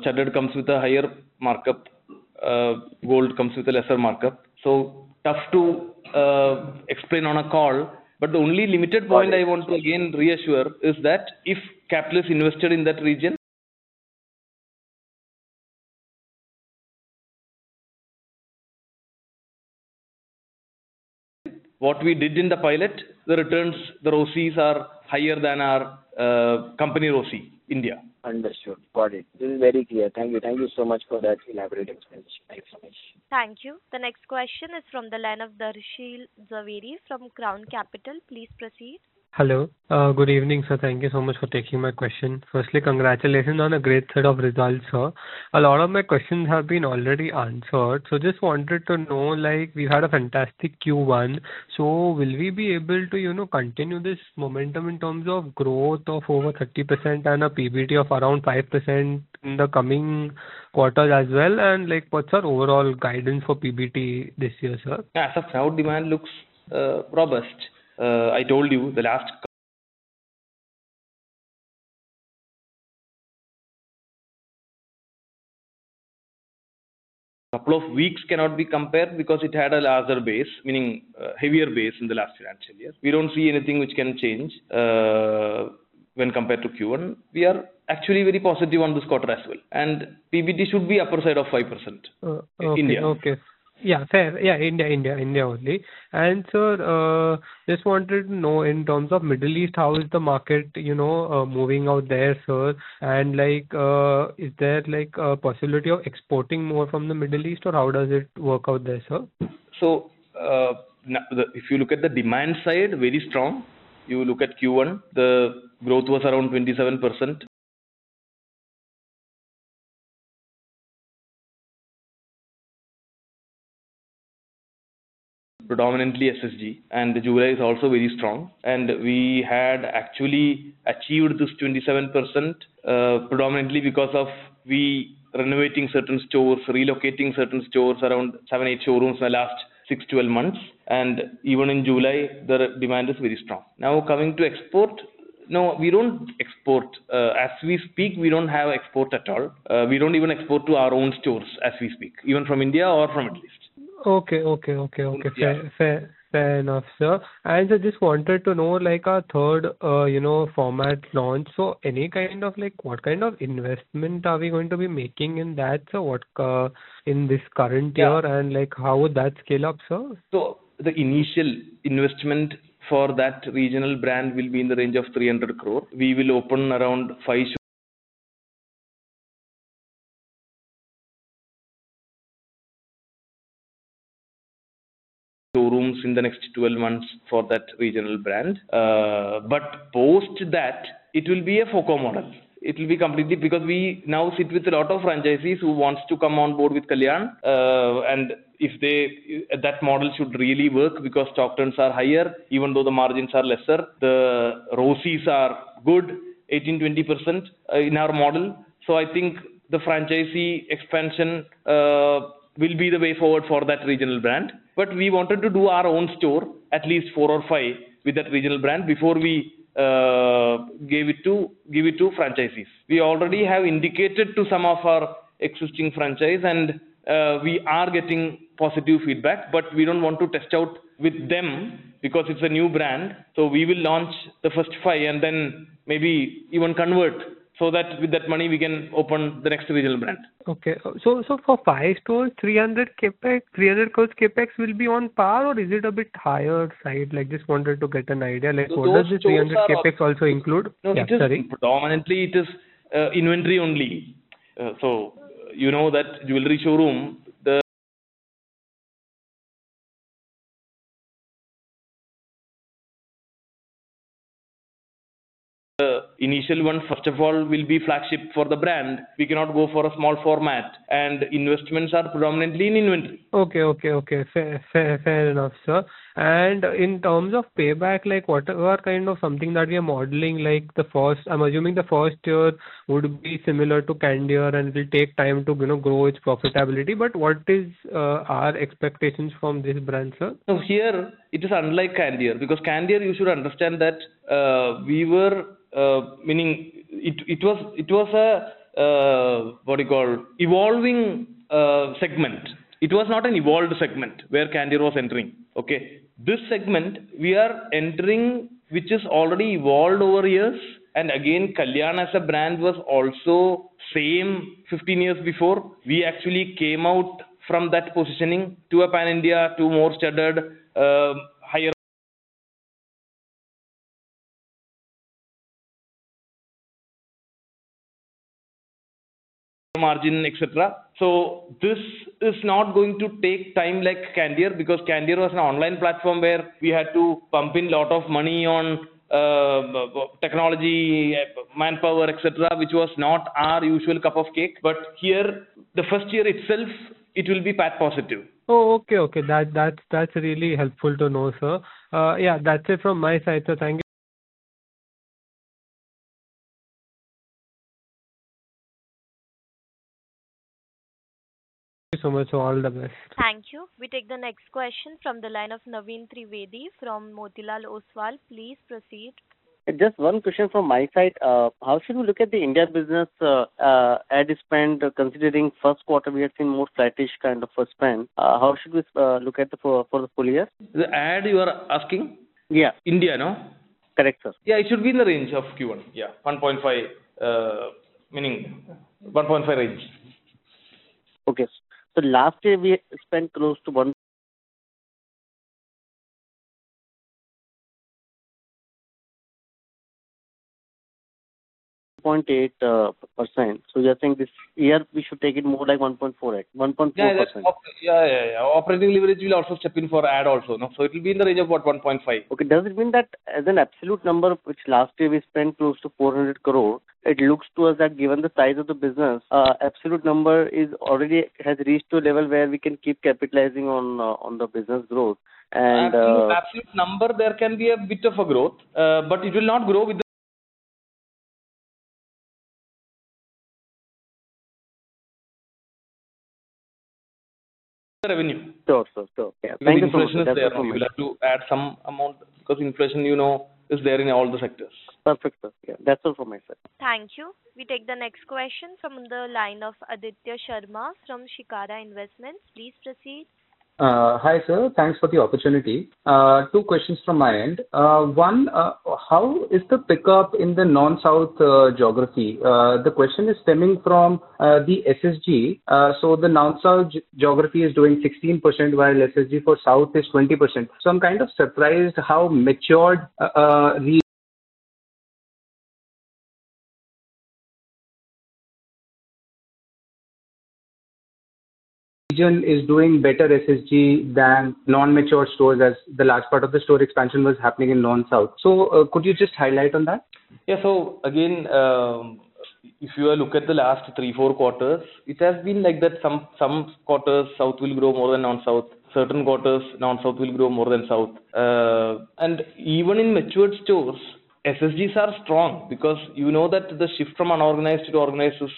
Standard comes with a higher markup, gold comes with a lesser markup. Tough to explain on a call. The only limited point I want to again reassure is that if capital is invested in that region, what we did in the pilot, the returns, the ROCEs are higher than our company, ROCE, India. Understood, got it. This is very clear. Thank you, thank you so much for that elaborate experience. Thank you. The next question is from the line of [Darshil Zaveri] from Crown Capital. Please proceed. Hello. Good evening, sir. Thank you so much for taking my question. Firstly, congratulations on a great set of results. A lot of my questions have been already answered. I just wanted to know, we had a fantastic Q1. Will we be able to continue this momentum in terms of growth of over 30% and a PBT of around 5% in the coming quarters as well? What's our overall guidance for PBT this year? As of cloud demand looks robust. I told you the last couple of weeks cannot be compared because it had a larger base, meaning heavier base in the last financial year. We don't see anything which can change when compared to Q1. We are actually very positive on this quarter as well. PBT should be upper side of 5%. India. Okay, yeah, fair, yeah. India, India, India only. I just wanted to know in terms of the Middle East, how is the market, you know, moving out there, sir? Is there a possibility of exporting more from the Middle East or how does it work out there, sir? If you look at the demand side, very strong. You look at Q1, the growth was around 27% predominantly SSG and the jewelry is also very strong and we had actually achieved this 27% predominantly because of renovating certain stores, relocating certain stores, around 78 showrooms in the last 6-12 months and even in July the demand is very strong. Now coming to export. No, we don't export as we speak. We don't have export at all. We don't even export to our own stores as we speak, even from India or from at least. Okay, fair enough sir. I just wanted to know, like our third, you know, format launch. What kind of investment are we going to be making in that in this current year, and how would that scale up? The initial investment for that regional brand will be in the range of 300 crore. We will open around five showrooms in the next 12 months for that regional brand. After that, it will be a FOCO model. It will be completely because we now sit with a lot of franchisees who want to come on board with Kalyan, and if they, that model should really work because stock turns are higher even though the margins are lesser. The ROCEs are good, 18%, 20% in our model. I think the franchisee expansion will be the way forward for that regional brand. We wanted to do our own store, at least four or five with that regional brand before we gave it to franchisees. We already have indicated to some of our existing franchise, and we are getting positive feedback, but we don't want to test out with them because it's a new brand. We will launch the first five and then maybe even convert so that with that money we can open the next digital brand. Okay. For five stores, 300 crore CapEx. 300 crore CapEx will be on par or is it a bit higher side? I just wanted to get an idea, like what does the 300 crore CapEx also include? Predominantly it is inventory only. You know that jewelry showroom, the initial one, first of all will be flagship for the brand. We cannot go for a small format, and investments are predominantly in inventory. Fair enough, sir. In terms of payback, like whatever kind of something that we are modeling, the first, I'm assuming the first year would be similar to Candere and it will take time to, you know, grow its profitability. What is our expectations from this branch? Here it is unlike Candere because Candere, you should understand that we were meaning it. It was an evolving segment. It was not an evolved segment where Candere was entering. This segment we are entering is already evolved over here. Kalyan as a brand was also same 15 years before; we actually came out from that positioning to a pan India to more standard, higher margin, etc. This is not going to take time like Candere because Candere was an online platform where we had to pump in a lot of money on technology, manpower, etc., which was not our usual cup of cake. Here, the first year itself, it will be path positive. Okay. That's really helpful to know, sir. Yeah, that's it from my side. Thank you. Thank you so much. All the best. Thank you. We take the next question from the line of Naveen Trivedi from Motilal Oswal. Please proceed. Just one question from my side. How should we look at the India business ad spend? Considering first quarter we have seen more slightish kind of span, how should we look at it for the full year? The ad you are asking? Yeah. India? Correct, sir. Yeah. It should be in the range of Q1. Yeah, 1.5% meaning 1.5% range. Okay. Last year we spent close to 1.8%. We are saying this year we should take it more like 1.4%. 1.2%. Yeah. Yeah. Operating leverage will also step in for ad also. No. It will be in the range of what? 1.5%. Okay. Does it mean that as an absolute number, which last year we spent close to 400 crore, it looks to us that given the size of the business, absolute number already has reached to a level where we can keep capitalizing on the business growth. I think absolute number. There can be a bit of a growth, but it will not grow with revenue to add some amount because inflation, you know, is there in all the sectors. Perfect. That's all for myself. Thank you. We take the next question from the line of Aditya Sharma from Shikara Investment. Please proceed. Hi sir, thanks for the opportunity. Two questions from my end. One, how is the pickup in the non South geography? The question is stemming from the SSG. The non South geography is doing 16% while SSG for South is 20%. I'm kind of surprised how matured region is doing better SSG than non mature stores, as the last part of the store expansion was happening in non South. Could you just highlight on that? Yeah. If you look at the last three or four quarters, it has been like that. Some quarters south will grow more than non-south. Certain quarters non-south will grow more than south. Even in matured stores, SSDs are strong because you know that the shift from unorganized to organized is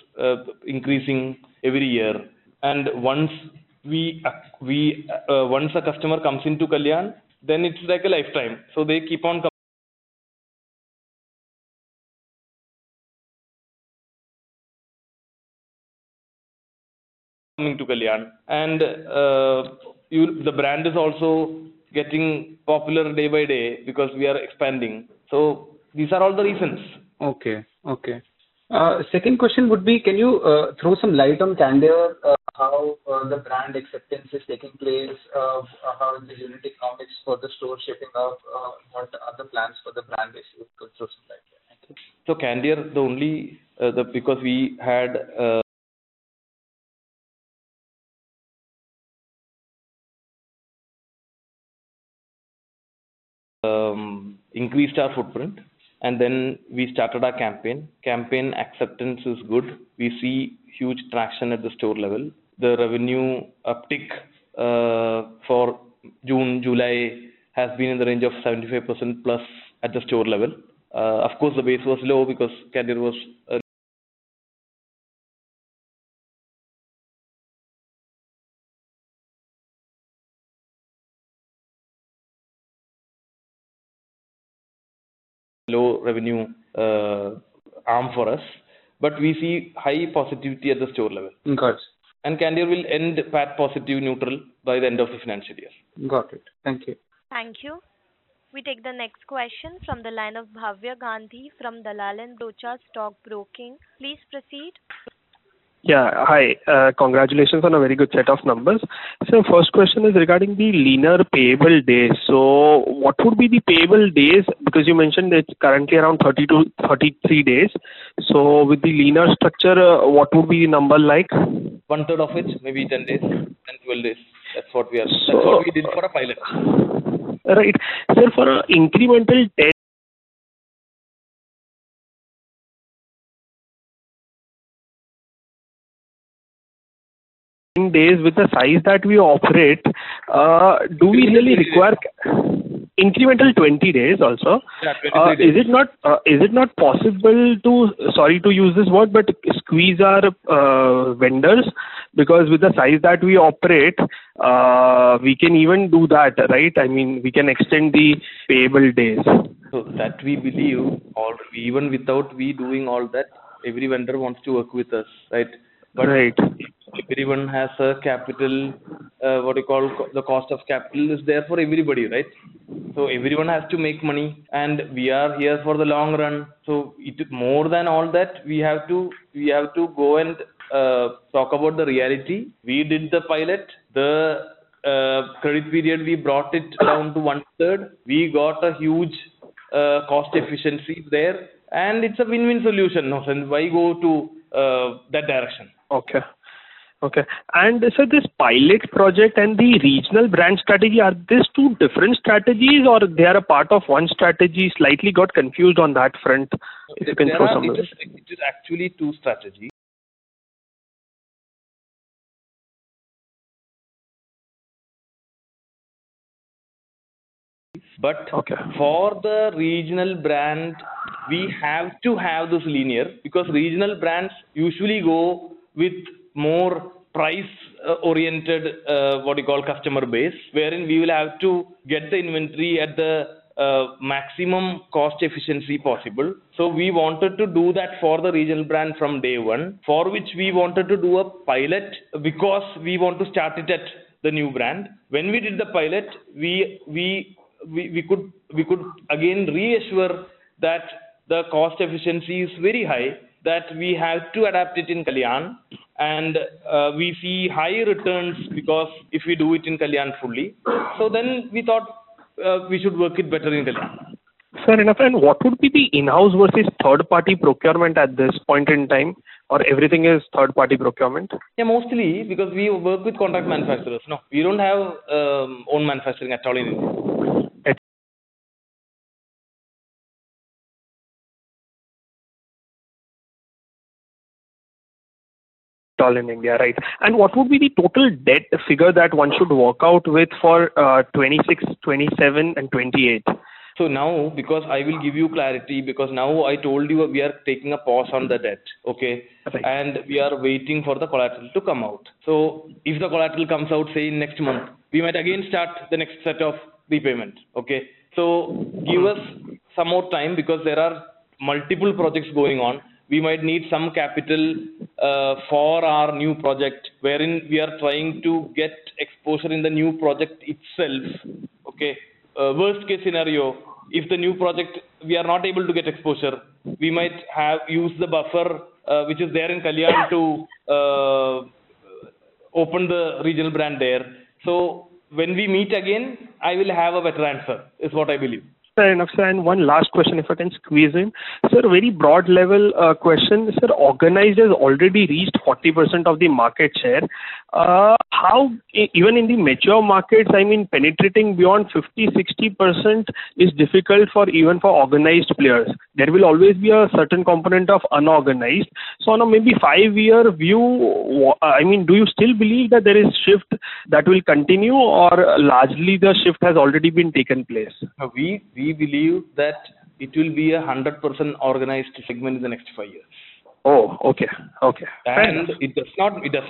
increasing every year. Once a customer comes into Kalyan, then it's like a lifetime. They keep on coming to Kalyan. The brand is also getting popular day by day because we are expanding. These are all the reasons. Okay. Second question would be can you throw some light on Candere? How the brand acceptance is taking place? How the unit you are exploring, the store shaping up? What are the plans for the brand? Basically, so Candere, the only the. Because we had increased our footprint and then we started our campaign. Campaign acceptance is good. We see huge traction at the store level. The revenue uptick for June July has been in the range of 75%+ at the store level. Of course, the base was low because Candere was low revenue arm for us. We see high positivity at the store level, and Candere will end PAT positive neutral by the end of the financial year. Got it. Thank you. Thank you. We take the next question from the line of Bhavya Gandhi from Dalal & Broacha Stock Broking. Please proceed. Yeah. Hi. Congratulations on a very good set of numbers. First question is regarding the leaner payable day. What would be the payable days? You mentioned it's currently around 30 to 33 days. With the leaner structure, what would be number like? One third of which maybe 10 days. That's what we are. That's what we did for a pilot. Right. For an incremental 10 days, with the size that we operate, do we really require incremental 20 days also? Yes, 23 days. Is it not possible to, sorry to use this word, but squeeze our vendors? With the size that we operate, we can even do that, right? I mean, we can extend the payable. We believe every vendor wants to work with us, right? Everyone has a cost of capital, right? Everyone has to make money and we are here for the long run. More than all that, we have to go and talk about the reality. We did the pilot, the credit period, we brought it down to 1/3. We got a huge cost efficiency there. It's a win-win solution. Why go to that direction? Okay. Okay. Is this pilot project and the regional branch strategy two different strategies or are they a part of one strategy? I slightly got confused on that front. If you can show somebody, it is actually two strategies. For the regional brand, we have to have this linear because regional brands usually go with more price-oriented, what you call customer base, wherein we will have to get the inventory at the maximum cost efficiency possible. We wanted to do that for the regional brand from day one, for which we wanted to do a pilot because we want to start it at the new brand. When we did the pilot, we could again reassure that the cost efficiency is very high, that we have to adapt it in Kalyan and we see high returns. If we do it in Kalyan fully, we thought we should work it better in Kalyan. Sir, in a friend, what would be the in-house versus third-party procurement at this point in time, or everything is third-party procurement? Yeah, mostly because we work with contract manufacturers. No, we don't have own manufacturing at all. In India. Right. What would be the total debt figure that one should work out with for 2026, 2027, and 2028? I will give you clarity, because now I told you we are taking a pause on the debt, and we are waiting for the collateral to come out. If the collateral comes out, say next month, we might again start the next set of repayment. Give us some more time because there are multiple projects going on. We might need some capital for our new project, wherein we are trying to get exposure in the new project itself. Worst case scenario, if the new project is we are not able to get exposure, we might have used the buffer which is there in Kalyan to open the regional brand there. When we meet again, I will have a better answer is what I believe. Fair enough, sir. One last question if I can squeeze in, sir, very broad level question, sir. Organized has already reached 40% of the market share. How? Even in the mature markets, I mean penetrating beyond 50%, 60% is difficult even for organized players. There will always be a certain component of unorganized. On a maybe five year view, do you still believe that there is shift that will continue or largely the shift has already been taken place? We believe that it will be a 100% organized segment in the next five years. Oh, okay. It does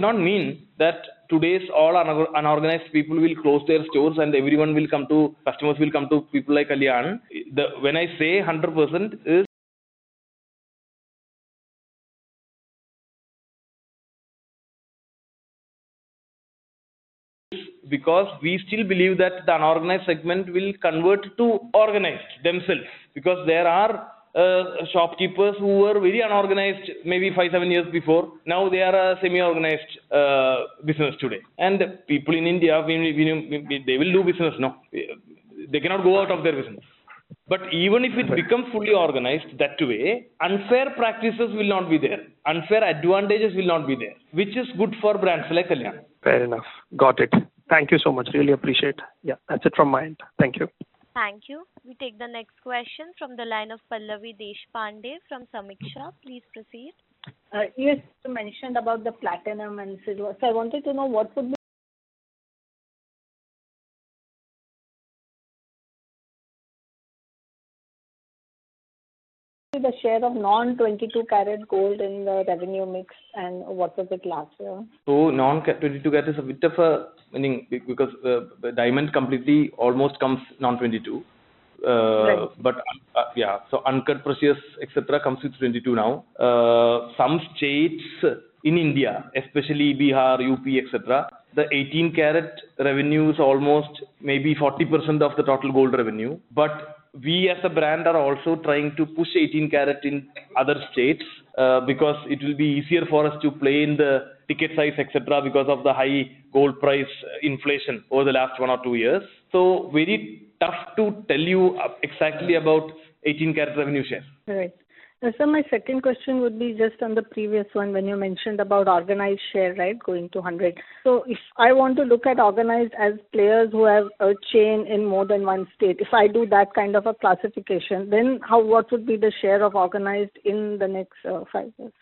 not mean that today's all unorganized people will close their stores and everyone will come to customers will come to people like Kalyan. When I say 100% is because we still believe that the unorganized segment will convert to organized themselves. There are shopkeepers who were very unorganized maybe five, seven years before. Now they are a semi organized business today. People in India will do business, they cannot go out of their vision. Even if it becomes fully organized that way, unfair practices will not be there. Unfair advantages will not be there, which is good for brands like Kalyan. Fair enough. Got it. Thank you so much. Really appreciate it. Yeah, that's it from my end. Thank you. Thank you. We take the next question from the line of Pallavi Deshpande from Sameeksha. Please proceed. Yes, you mentioned about the platinum and silver. I wanted to know what would be the share of non 22K gold in the revenue mix and what was it larger? Oh, non 22K is a bit of a meaning because the diamond completely almost comes non 22K. Uncut, precious, etc. comes with 22K. Now, some states in India, especially Bihar, UP, etc., the 18K revenues are almost maybe 40% of the total gold revenue. We as a brand are also trying to push 18K in other states because it will be easier for us to play in the ticket size, etc., because of the high gold price inflation over the last one or two years. Very tough to tell you exactly about 18K revenue share. Correct. My second question would be just on the previous one, when you mentioned about organized share. Right. Going to 100. If I want to look at organized as players who have a chain in more than one state, if I do that kind of a classification, then what would be the share of organized in the next five years?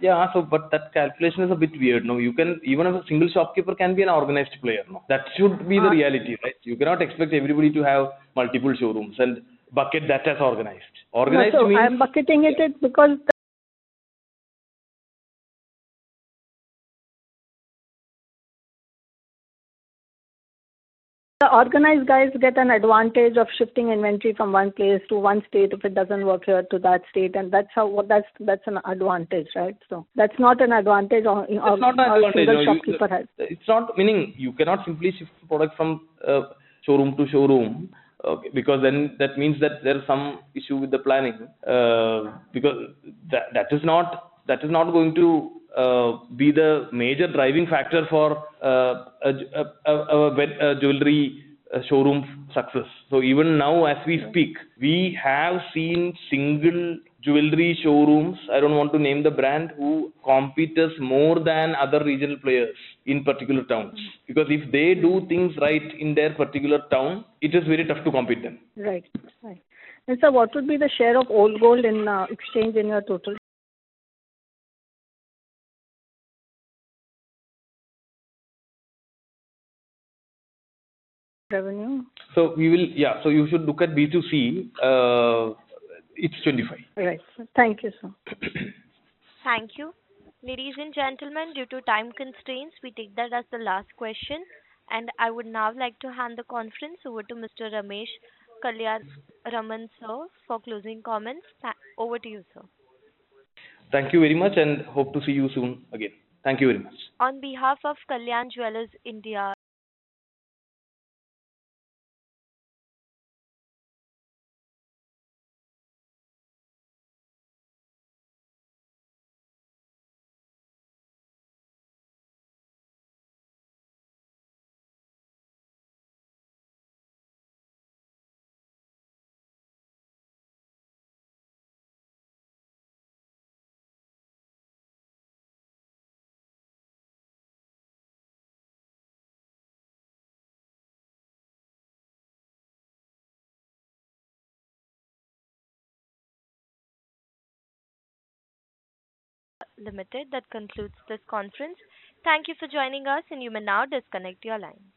Yeah, so. That calculation is a bit weird. No. You can even have a single shopkeeper be an organized player. That should be the reality. Right. You cannot expect everybody to have multiple showrooms and bucket. That has organized. Organized. I'm bucketing it because the organized guys get an advantage of shifting inventory from one place to one state if it doesn't work here to that state. That's an advantage, right? That's not an advantage. It's not. Meaning you cannot simply product from showroom to showroom, because that means that there's some issue with the planning. That is not going to be the major driving factor for jewelry showroom success. Even now, as we speak, we have seen single jewelry showrooms. I don't want to name the brand who competes more than other regional players in particular towns, because if they do things right in their particular town, it is very tough to compete then. Right. What would be the share of old gold in exchange in your total revenue? We will, you should look at B2C. It's [2025]. Right. Thank you, sir. Thank you. Ladies and gentlemen, due to time constraints, we take that as the last question. I would now like to hand the conference over to Mr. Ramesh Kalyanaraman, sir, for closing comments. Over to you, sir. Thank you very much, and hope to see you soon again. Thank you very much. On behalf of Kalyan Jewellers India Limited. That concludes this conference. Thank you for joining us. You may now disconnect your line.